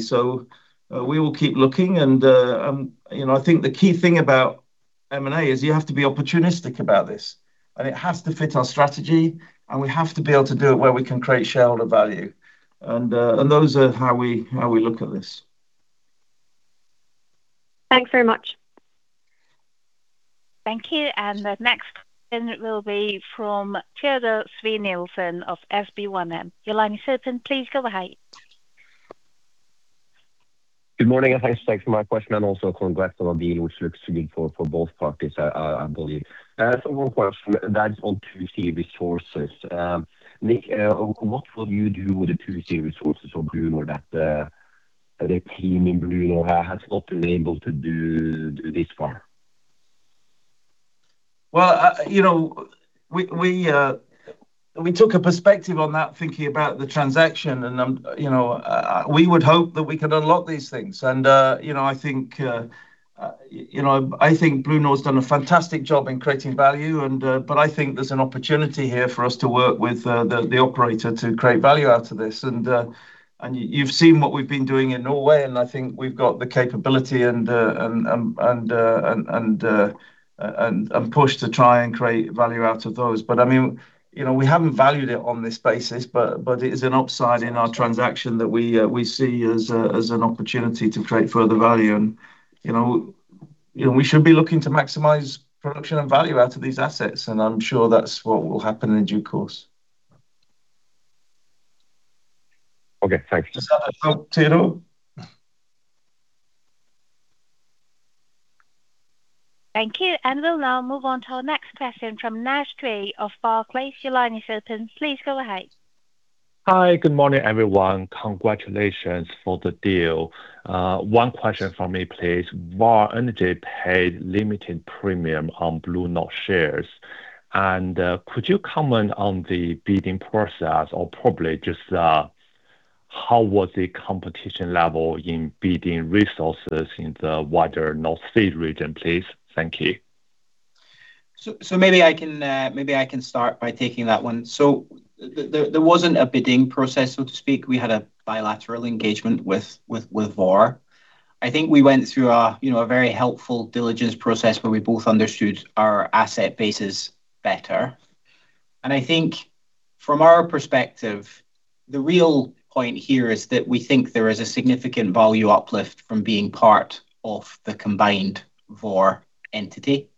We will keep looking. I think the key thing about M&A is you have to be opportunistic about this. It has to fit our strategy. We have to be able to do it where we can create shareholder value. Those are how we look at this. Thanks very much. Thank you. The next question will be from Teodor Sveen-Nilsen of SB1M. Your line is open. Please go ahead. Good morning, and thanks for taking my question, and also congrats on a deal which looks good for both parties, I believe. One question that is on 2C resources. Nick, what will you do with the 2C resources of BlueNord that the team in BlueNord has not been able to do this far? Well, we took a perspective on that, thinking about the transaction, and we would hope that we could unlock these things. I think BlueNord has done a fantastic job in creating value, but I think there's an opportunity here for us to work with the operator to create value out of this. You've seen what we've been doing in Norway, and I think we've got the capability and push to try and create value out of those. We haven't valued it on this basis, but it is an upside in our transaction that we see as an opportunity to create further value. We should be looking to maximize production and value out of these assets, and I'm sure that's what will happen in due course. Okay, thank you. Is that helpful, Teodor? Thank you. We'll now move on to our next question from Naish Cui of Barclays. Your line is open. Please go ahead. Hi. Good morning, everyone. Congratulations for the deal. One question from me, please. Vår Energi paid limited premium on BlueNord shares. Could you comment on the bidding process or probably just how was the competition level in bidding resources in the wider North Sea region, please? Thank you. Maybe I can start by taking that one. There wasn't a bidding process, so to speak. We had a bilateral engagement with Vår. I think we went through a very helpful diligence process where we both understood our asset bases better. I think from our perspective, the real point here is that we think there is a significant value uplift from being part of the combined Vår entity.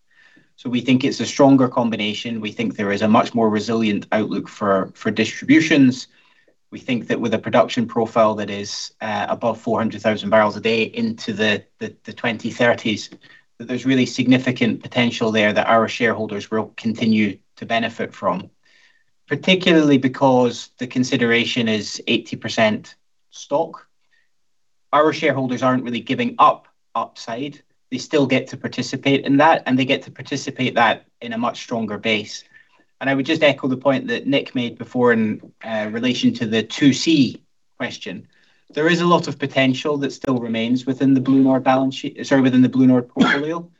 We think it's a stronger combination. We think there is a much more resilient outlook for distributions. We think that with a production profile that is above 400,000 bbls a day into the 2030s, that there's really significant potential there that our shareholders will continue to benefit from. Particularly because the consideration is 80% stock. Our shareholders aren't really giving up upside. They still get to participate in that, they get to participate that in a much stronger base. I would just echo the point that Nick made before in relation to the 2C question. There is a lot of potential that still remains within the BlueNord portfolio,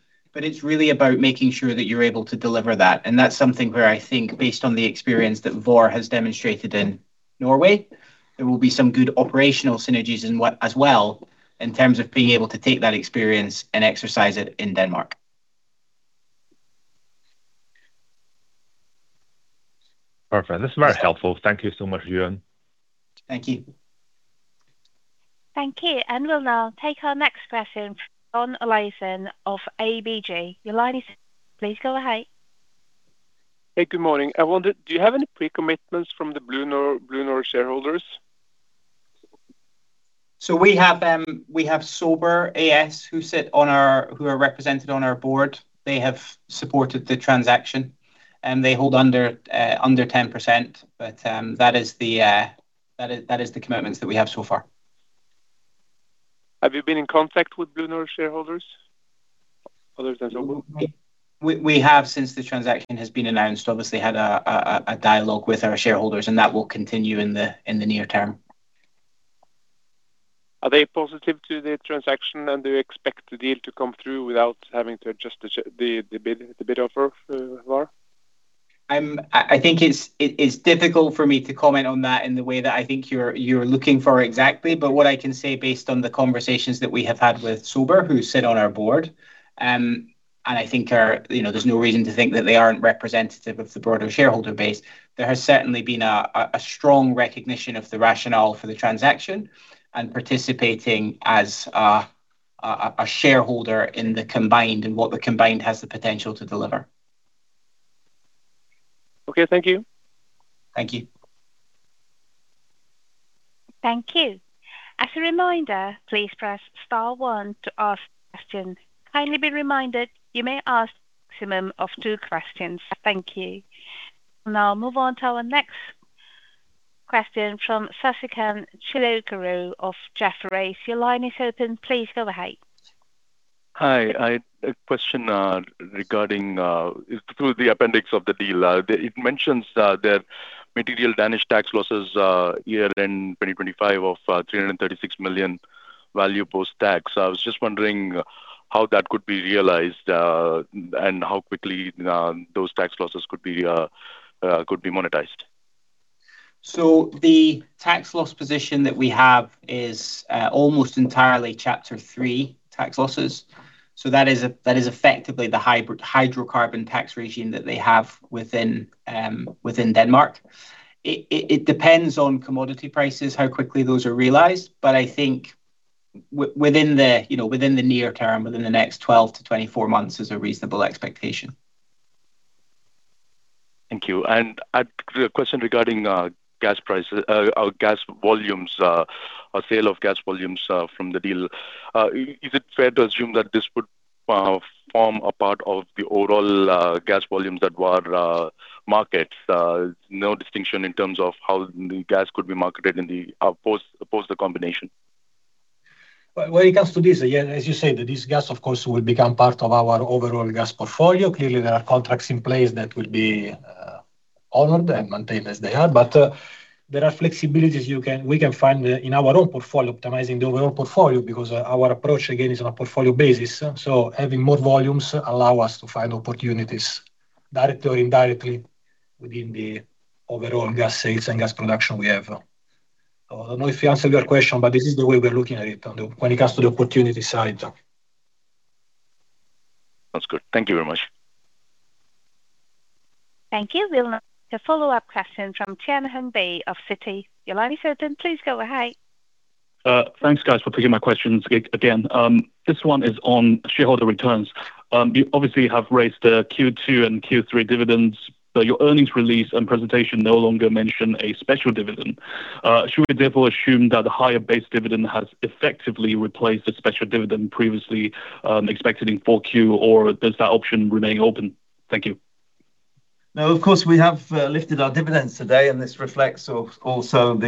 it's really about making sure that you're able to deliver that. That's something where I think based on the experience that Vår has demonstrated in Norway, there will be some good operational synergies as well in terms of being able to take that experience and exercise it in Denmark. Perfect. This is very helpful. Thank you so much, Euan. Thank you. Thank you. We'll now take our next question from John Olaisen of ABG. Your line is open. Please go ahead. Hey, good morning. I wondered, do you have any pre-commitments from the BlueNord shareholders? We have Sober AS who are represented on our board. They have supported the transaction, and they hold under 10%, but that is the commitments that we have so far. Have you been in contact with BlueNord shareholders other than Sober? We have since the transaction has been announced, obviously had a dialogue with our shareholders, and that will continue in the near term. Are they positive to the transaction, and do you expect the deal to come through without having to adjust the bid offer, Vår? It's difficult for me to comment on that in the way that I think you're looking for exactly. What I can say based on the conversations that we have had with Sober, who sit on our board, there's no reason to think that they aren't representative of the broader shareholder base. There has certainly been a strong recognition of the rationale for the transaction and participating as a shareholder in the combined and what the combined has the potential to deliver. Okay, thank you. Thank you. Thank you. As a reminder, please press star one to ask questions. Kindly be reminded, you may ask a maximum of two questions. Thank you. We will now move on to our next question from Sasikanth Chilukuru of Jefferies. Your line is open. Please go ahead. Hi. A question regarding through the appendix of the deal. It mentions that material Danish tax losses, year-end 2025 of 336 million value post-tax. I was just wondering how that could be realized, and how quickly those tax losses could be monetized. The tax loss position that we have is almost entirely chapter three tax losses. That is effectively the hydrocarbon tax regime that they have within Denmark. It depends on commodity prices, how quickly those are realized, but I think within the near term, within the next 12-24 months is a reasonable expectation. Thank you. A question regarding gas volumes or sale of gas volumes from the deal. Is it fair to assume that this would form a part of the overall gas volumes that Vår markets? No distinction in terms of how the gas could be marketed post the combination? When it comes to this, as you said, this gas, of course, will become part of our overall gas portfolio. Clearly, there are contracts in place that will be honored and maintained as they are, but there are flexibilities we can find in our own portfolio, optimizing the overall portfolio, because our approach, again, is on a portfolio basis. Having more volumes allow us to find opportunities directly or indirectly within the overall gas sales and gas production we have. I don't know if we answered your question, but this is the way we are looking at it when it comes to the opportunity side. That's good. Thank you very much. Thank you. We'll now take a follow-up question from Tianhong Bi of Citi. Your line is open. Please go ahead. Thanks, guys, for taking my questions again. This one is on shareholder returns. You obviously have raised the Q2 and Q3 dividends, but your earnings release and presentation no longer mention a special dividend. Should we therefore assume that the higher base dividend has effectively replaced the special dividend previously expected in 4Q, or does that option remain open? Thank you. Of course, we have lifted our dividends today, and this reflects also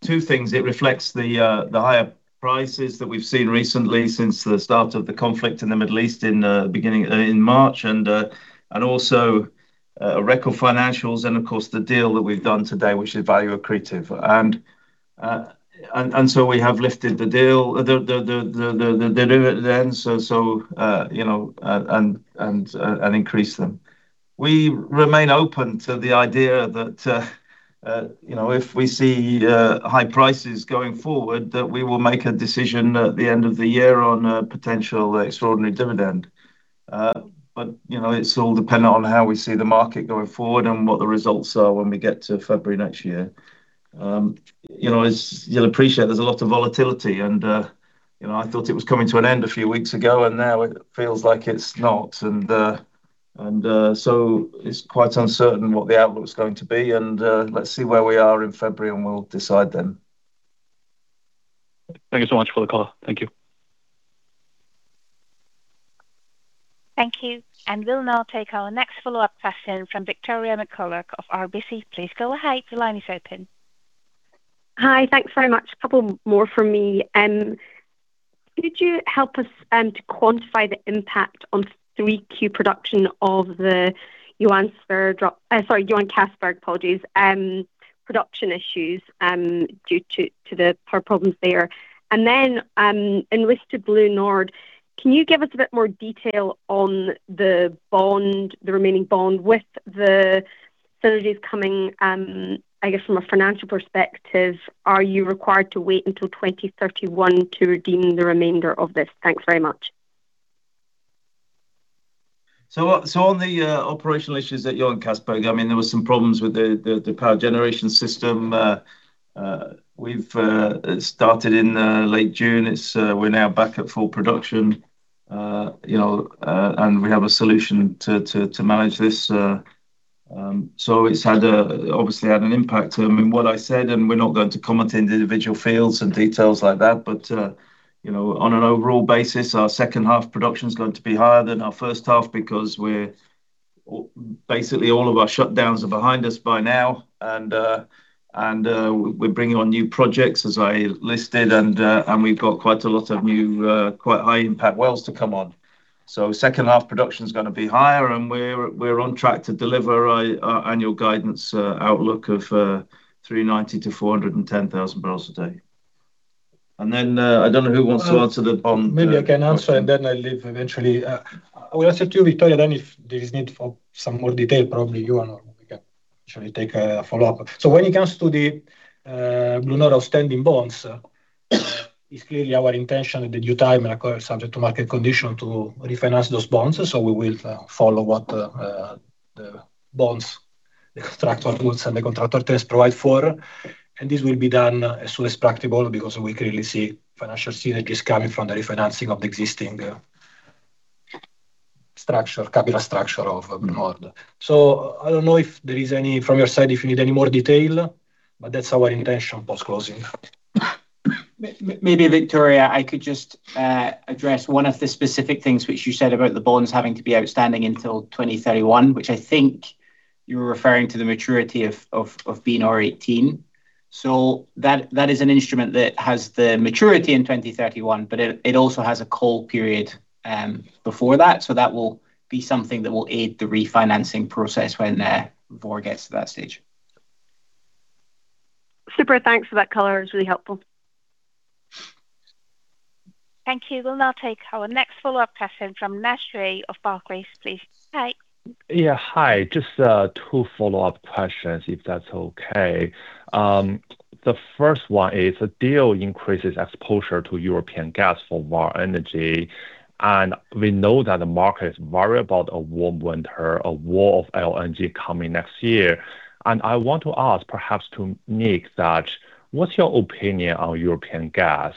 two things. It reflects the higher prices that we've seen recently since the start of the conflict in the Middle East in March, and also record financials and, of course, the deal that we've done today, which is value accretive. We have lifted the dividends and increased them. We remain open to the idea that if we see high prices going forward, that we will make a decision at the end of the year on a potential extraordinary dividend. It's all dependent on how we see the market going forward and what the results are when we get to February next year. As you'll appreciate, there's a lot of volatility, and I thought it was coming to an end a few weeks ago, and now it feels like it's not. It's quite uncertain what the outlook is going to be, and let's see where we are in February and we'll decide then. Thank you so much for the call. Thank you. Thank you. We'll now take our next follow-up question from Victoria McCulloch of RBC. Please go ahead. Your line is open. Hi. Thanks very much. A couple more from me. Could you help us to quantify the impact on 3Q production of the Johan Castberg production issues due to the power problems there? Then in relation to BlueNord, can you give us a bit more detail on the remaining bond with the facilities coming, I guess, from a financial perspective, are you required to wait until 2031 to redeem the remainder of this? Thanks very much. On the operational issues at Johan Castberg, there were some problems with the power generation system. We've started in late June. We're now back at full production. We have a solution to manage this. It's obviously had an impact. What I said, we're not going to comment on the individual fields and details like that, but on an overall basis, our second half production is going to be higher than our first half because basically all of our shutdowns are behind us by now, and we're bringing on new projects as I listed, and we've got quite a lot of new, quite high impact wells to come on. Second half production is going to be higher, and we're on track to deliver our annual guidance outlook of 390 to 410,000 bbls a day. I don't know who wants to answer the bond question. Maybe I can answer, and then I leave eventually. I will answer to you, Victoria, then if there is need for some more detail, probably you can actually take a follow-up. When it comes to the BlueNord outstanding bonds, it's clearly our intention at the due time, and of course, subject to market condition, to refinance those bonds. We will follow what the bonds, the contractual goods and the contractor tests provide for. This will be done as soon as practicable because we clearly see financial synergies coming from the refinancing of the existing capital structure of BlueNord. I don't know if there is any from your side if you need any more detail, but that's our intention post-closing. Maybe, Victoria, I could just address one of the specific things which you said about the bonds having to be outstanding until 2031, which I think you were referring to the maturity of BNR18. That is an instrument that has the maturity in 2031, but it also has a call period before that. That will be something that will aid the refinancing process when Vår gets to that stage. Super. Thanks for that color. It's really helpful. Thank you. We'll now take our next follow-up question from Naish Cui of Barclays, please. Hi. Yeah. Hi. Just two follow-up questions, if that's okay. The first one is, the deal increases exposure to European gas for Vår Energi, and we know that the market is worried about a warm winter, a wall of LNG coming next year. I want to ask perhaps to Nick that, what's your opinion on European gas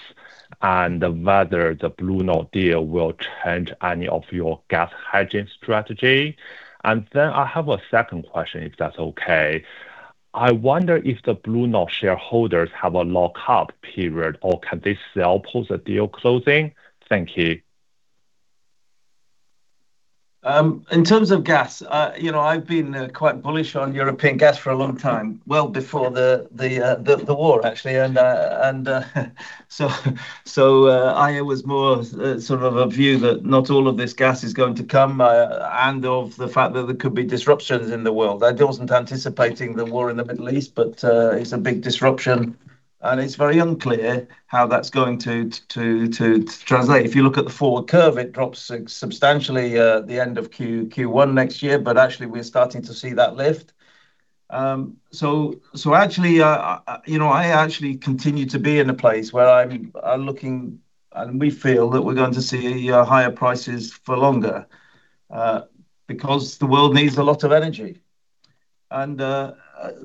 and whether the BlueNord deal will change any of your gas hedging strategy? I have a second question, if that's okay. I wonder if the BlueNord shareholders have a lock-up period or can they sell post the deal closing? Thank you. In terms of gas, I've been quite bullish on European gas for a long time, well before the war, actually. I was more of a view that not all of this gas is going to come, and of the fact that there could be disruptions in the world. I wasn't anticipating the war in the Middle East, but it's a big disruption, and it's very unclear how that's going to translate. If you look at the forward curve, it drops substantially the end of Q1 next year, but actually, we're starting to see that lift. I actually continue to be in a place where I'm looking, and we feel that we're going to see higher prices for longer because the world needs a lot of energy.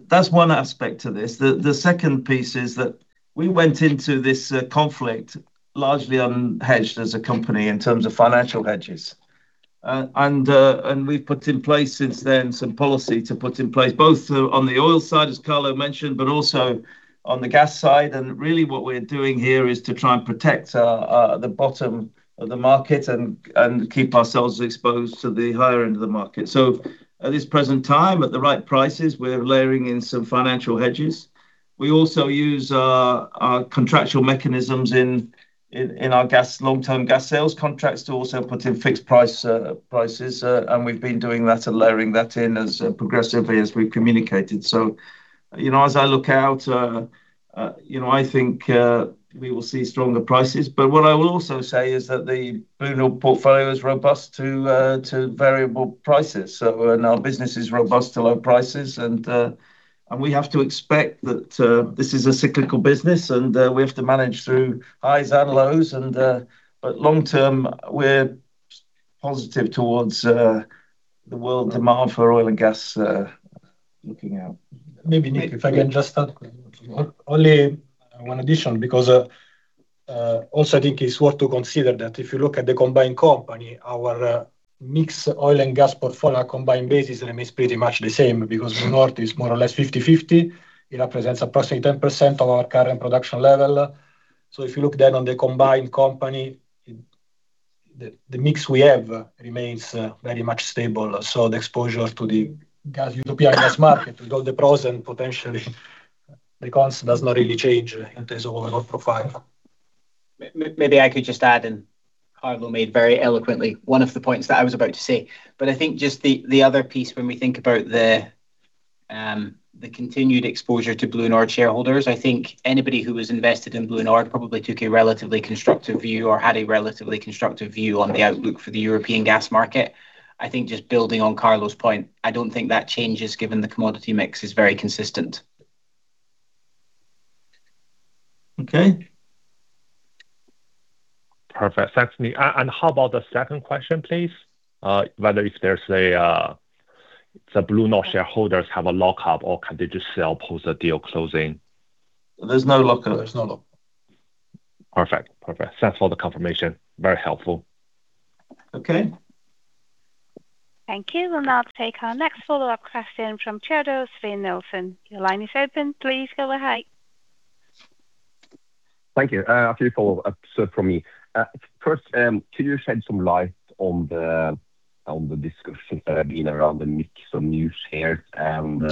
That's one aspect to this. The second piece is that we went into this conflict largely unhedged as a company in terms of financial hedges. We've put in place since then some policy to put in place, both on the oil side, as Carlo mentioned, but also on the gas side. Really what we're doing here is to try and protect the bottom of the market and keep ourselves exposed to the higher end of the market. At this present time, at the right prices, we're layering in some financial hedges. We also use our contractual mechanisms in our long-term gas sales contracts to also put in fixed prices. We've been doing that and layering that in as progressively as we've communicated. As I look out, I think we will see stronger prices. What I will also say is that the BlueNord portfolio is robust to variable prices. Our business is robust to low prices, and we have to expect that this is a cyclical business, and we have to manage through highs and lows. Long term, we're positive towards the world demand for oil and gas looking out. Maybe, Nick, if I can just add only one addition, because also I think it's worth to consider that if you look at the combined company, our mixed oil and gas portfolio combined basis remains pretty much the same because BlueNord is more or less 50/50. It represents approximately 10% of our current production level. If you look then on the combined company, the mix we have remains very much stable. The exposure to the European gas market with all the pros and potentially the cons does not really change in terms of overall profile. Maybe I could just add, Carlo made very eloquently one of the points that I was about to say. I think just the other piece when we think about the continued exposure to BlueNord shareholders, I think anybody who was invested in BlueNord probably took a relatively constructive view or had a relatively constructive view on the outlook for the European gas market. I think just building on Carlo's point, I don't think that changes given the commodity mix is very consistent. Okay. Perfect. Thanks, Nick. How about the second question, please? Whether if the BlueNord shareholders have a lockup or can they just sell post the deal closing? There's no lockup. There's no lockup. Perfect. Thanks for the confirmation. Very helpful. Okay. Thank you. We'll now take our next follow-up question from Teodor Sveen-Nilsen. Your line is open. Please go ahead. Thank you. A few follow-ups from me. First, could you shed some light on the discussion that have been around the mix of new shares and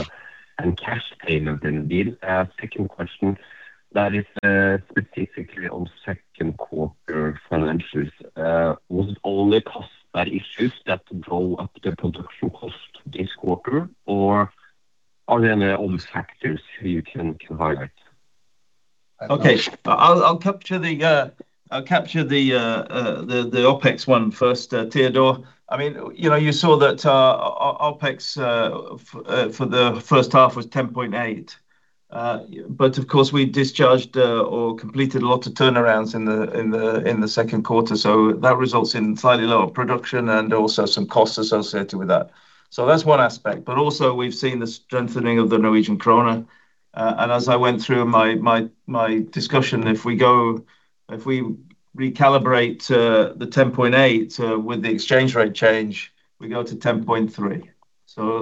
cash payment in the deal? Second question, that is specifically on second quarter financials. Was it only cost-led issues that drove up the production cost this quarter, or are there any other factors you can highlight? Okay. I'll capture the OpEx one first, Teodor. You saw that our OpEx for the first half was 10.8. Of course, we discharged or completed a lot of turnarounds in the second quarter, that results in slightly lower production and also some costs associated with that. That's one aspect. Also we've seen the strengthening of the Norwegian krone. As I went through my discussion, if we recalibrate the 10.8 with the exchange rate change, we go to 10.3.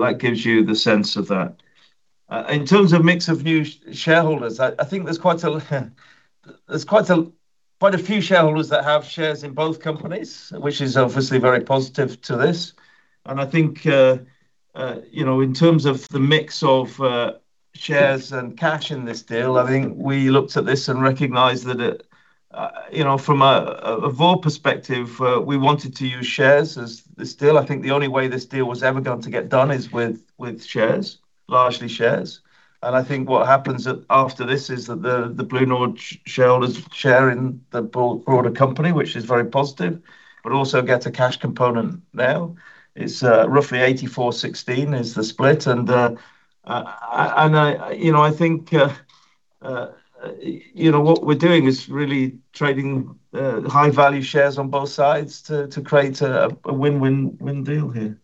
That gives you the sense of that. In terms of mix of new shareholders, I think there's quite a few shareholders that have shares in both companies, which is obviously very positive to this. I think, in terms of the mix of shares and cash in this deal, I think we looked at this and recognized that from a Vår perspective, we wanted to use shares as this deal. I think the only way this deal was ever going to get done is with shares, largely shares. I think what happens after this is that the BlueNord shareholders share in the broader company, which is very positive, but also get a cash component now. It's roughly 84/16 is the split. I think what we're doing is really trading high-value shares on both sides to create a win-win deal here.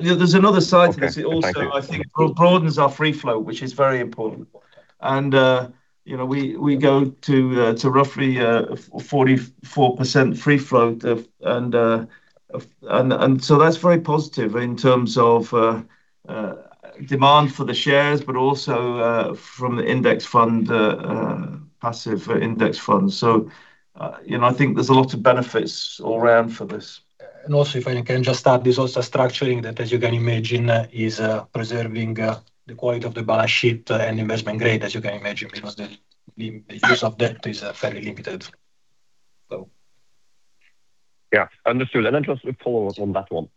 There's another side to this. Okay. Thank you It also, I think, broadens our free float, which is very important. We go to roughly 44% free float. That's very positive in terms of demand for the shares, but also from the index fund, passive index funds. I think there's a lot of benefits all around for this. Also, if I can just add, this also structuring that, as you can imagine, is preserving the quality of the balance sheet and investment grade, as you can imagine, because the use of debt is fairly limited. Understood. Then just a follow-up on that one.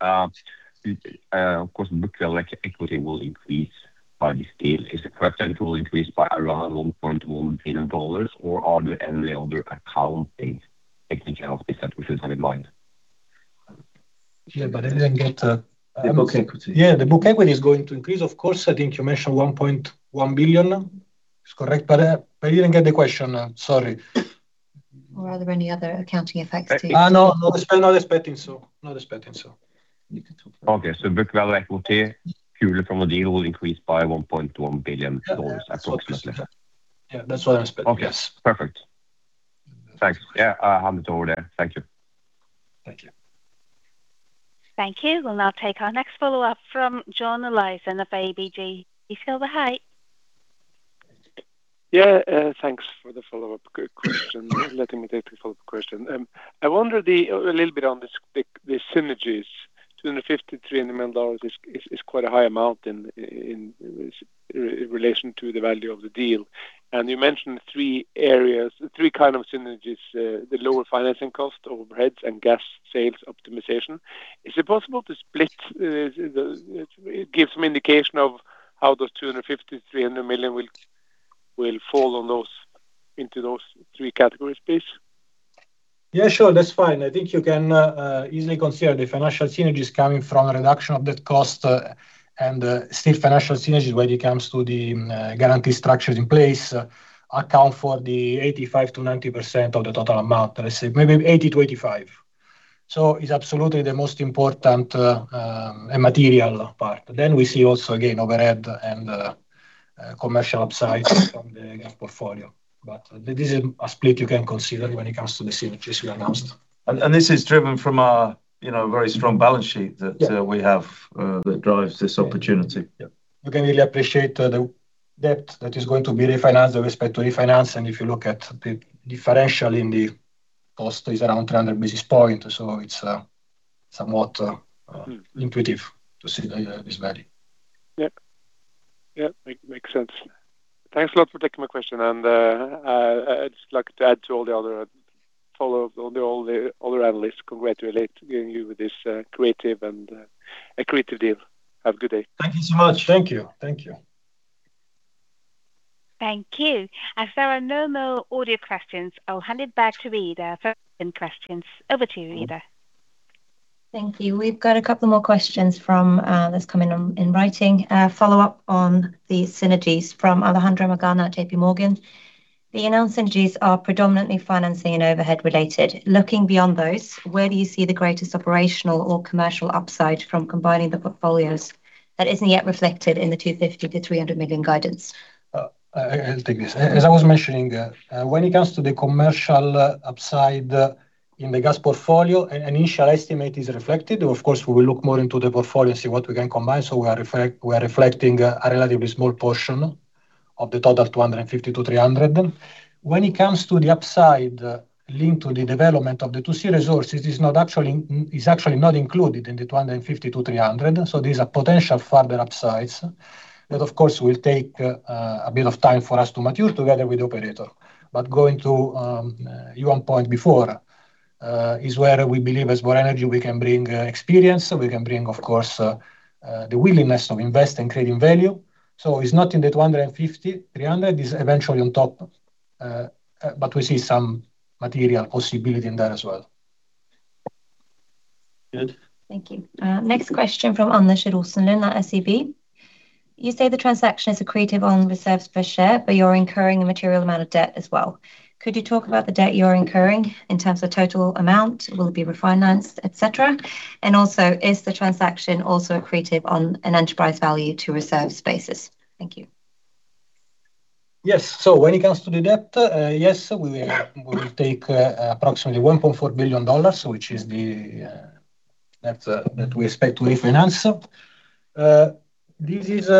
Of course, book value equity will increase by this deal. Is it correct that it will increase by around $1.1 billion or are there any other accounting technicalities that we should have in mind? Yeah, I didn't get the- The book equity. Yeah, the book equity is going to increase, of course. I think you mentioned $1.1 billion. It's correct, I didn't get the question. Sorry. Are there any other accounting effects to- No. Not expecting so. Okay. Book value equity, purely from the deal, will increase by $1.1 billion approximately. Yeah. That's what I expect, yes. Okay. Perfect. Thanks. Yeah. I hand it over there. Thank you. Thank you. Thank you. We'll now take our next follow-up from John Olaisen of ABG. John Olaisen? Yeah. Thanks for the follow-up question, letting me take the follow-up question. I wonder a little bit on the synergies. $250 million-$300 million is quite a high amount in relation to the value of the deal. You mentioned three areas, three kinds of synergies, the lower financing cost, overheads, and gas sales optimization. Is it possible to split, give some indication of how those 250 million, 300 million will fall into those three categories, please? Yeah, sure. That's fine. I think you can easily consider the financial synergies coming from a reduction of that cost and still financial synergies when it comes to the guarantee structures in place account for the 85%-90% of the total amount. Let's say maybe 80%-85%. It's absolutely the most important and material part. We see also, again, overhead and commercial upside from the gas portfolio. This is a split you can consider when it comes to the synergies we announced. This is driven from our very strong balance sheet. Yeah We have that drives this opportunity. Yeah. You can really appreciate the debt that is going to be refinanced with respect to refinance. If you look at the differential in the cost is around 300 basis points. It's somewhat intuitive to see this value. Yeah. Makes sense. Thanks a lot for taking my question. I'd just like to add to all the other analysts, congratulate you with this creative deal. Have a good day. Thank you so much. Thank you. Thank you. As there are no more audio questions, I will hand it back to Ida for written questions. Over to you, Ida. Thank you. We have got a couple more questions that has come in in writing. A follow-up on the synergies from Alejandro Demichelis at JPMorgan. The announced synergies are predominantly financing and overhead related. Looking beyond those, where do you see the greatest operational or commercial upside from combining the portfolios that is not yet reflected in the $250 million-$300 million guidance? I will take this. As I was mentioning, when it comes to the commercial upside in the gas portfolio, an initial estimate is reflected. Of course, we will look more into the portfolio and see what we can combine. We are reflecting a relatively small portion of the total $250 million-$300 million. When it comes to the upside linked to the development of the 2C resources, it is actually not included in the $250 million-$300 million. These are potential further upsides that of course will take a bit of time for us to mature together with the operator. Going to your point before, is where we believe as Vår Energi, we can bring experience, we can bring, of course, the willingness to invest in creating value. It is not in the $250 million, $300 million. It is eventually on top. We see some material possibility in there as well. Good. Thank you. Next question from Anders Ruderstam at SEB. You say the transaction is accretive on reserves per share, but you're incurring a material amount of debt as well. Could you talk about the debt you're incurring in terms of total amount, will it be refinanced, et cetera? Also, is the transaction also accretive on an enterprise value to reserve basis? Thank you. Yes. When it comes to the debt, yes, we will take approximately $1.4 billion, which is the debt that we expect to refinance. This is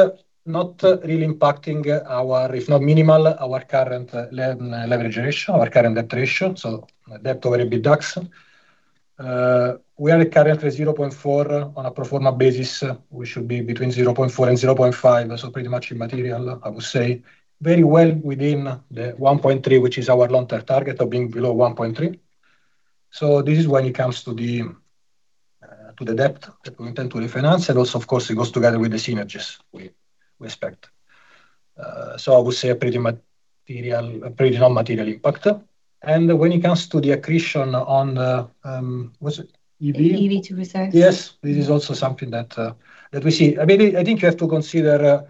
not really impacting our, if not minimal, our current leverage ratio, our current debt ratio, so debt to EBITDA. We are currently 0.4 on a pro forma basis. We should be between 0.4 and 0.5, so pretty much immaterial, I would say. Very well within the 1.3, which is our long-term target of being below 1.3. This is when it comes to the debt that we intend to refinance. Also, of course, it goes together with the synergies we expect. I would say a pretty non-material impact. When it comes to the accretion on, what's it? EB? EBIT to reserves. Yes. This is also something that we see. I think you have to consider,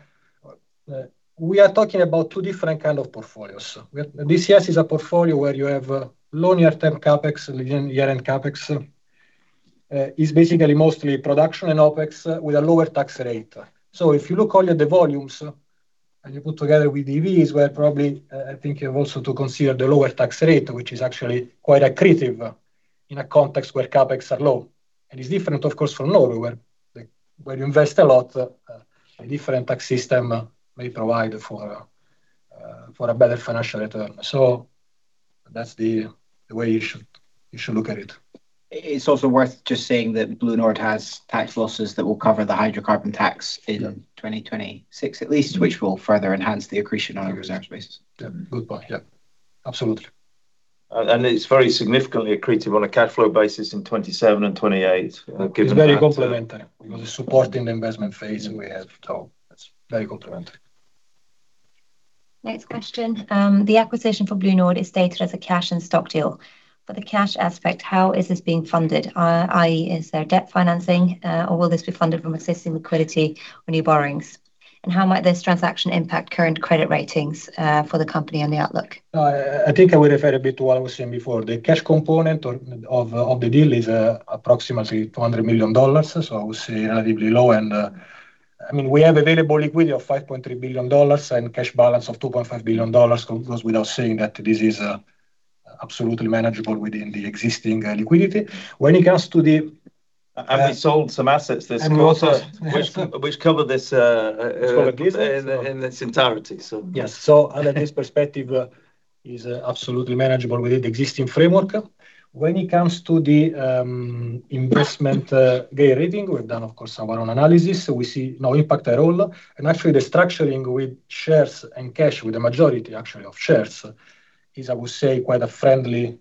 we are talking about two different kind of portfolios. DCS is a portfolio where you have low near-term CapEx, year-end CapEx. It is basically mostly production and OpEx with a lower tax rate. If you look only at the volumes, you put together with EVs, where probably I think you have also to consider the lower tax rate, which is actually quite accretive in a context where CapEx are low. It's different, of course, from Norway where you invest a lot, a different tax system may provide for a better financial return. That's the way you should look at it. It's also worth just saying that BlueNord has tax losses that will cover the hydrocarbon tax. 2026 at least, which will further enhance the accretion on a reserves basis. Yeah. Good point. Yeah, absolutely. It's very significantly accretive on a cash flow basis in 2027 and 2028. It's very complementary because it's supporting the investment phase we have. That's very complementary. Next question. The acquisition for BlueNord is stated as a cash and stock deal. For the cash aspect, how is this being funded, i.e., is there debt financing or will this be funded from existing liquidity or new borrowings? How might this transaction impact current credit ratings for the company and the outlook? No, I think I would refer a bit to what I was saying before. The cash component of the deal is approximately $200 million, so I would say relatively low. We have available liquidity of $5.3 billion and cash balance of $2.5 billion. It goes without saying that this is absolutely manageable within the existing liquidity. We sold some assets this quarter. also- which cover this- It's called a business. in its entirety. Yes. Under this perspective, it is absolutely manageable within the existing framework. When it comes to the investment grade rating, we've done, of course, our own analysis, so we see no impact at all. Actually, the structuring with shares and cash, with the majority actually of shares, is, I would say, quite a friendly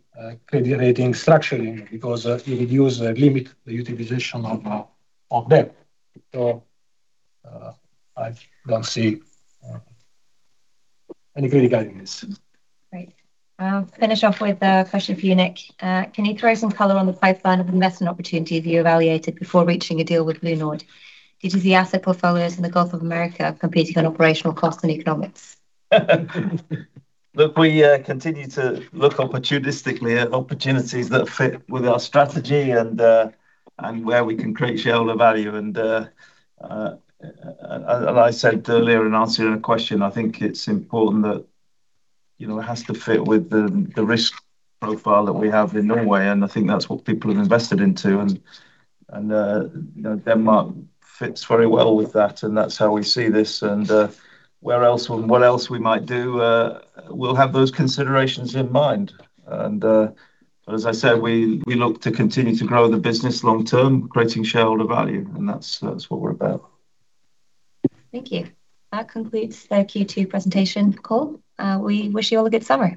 credit rating structuring because it reduce and limit the utilization of debt. I don't see any credit guidance. Great. I'll finish off with a question for you, Nick. Can you throw some color on the pipeline of investment opportunities you evaluated before reaching a deal with BlueNord? Did you see asset portfolios in the Gulf of Mexico competing on operational cost and economics? We continue to look opportunistically at opportunities that fit with our strategy and where we can create shareholder value. As I said earlier in answering a question, I think it's important that it has to fit with the risk profile that we have in Norway, and I think that's what people have invested into. Denmark fits very well with that, and that's how we see this. Where else and what else we might do, we'll have those considerations in mind. As I said, we look to continue to grow the business long term, creating shareholder value, and that's what we're about. Thank you. That concludes the Q2 presentation call. We wish you all a good summer.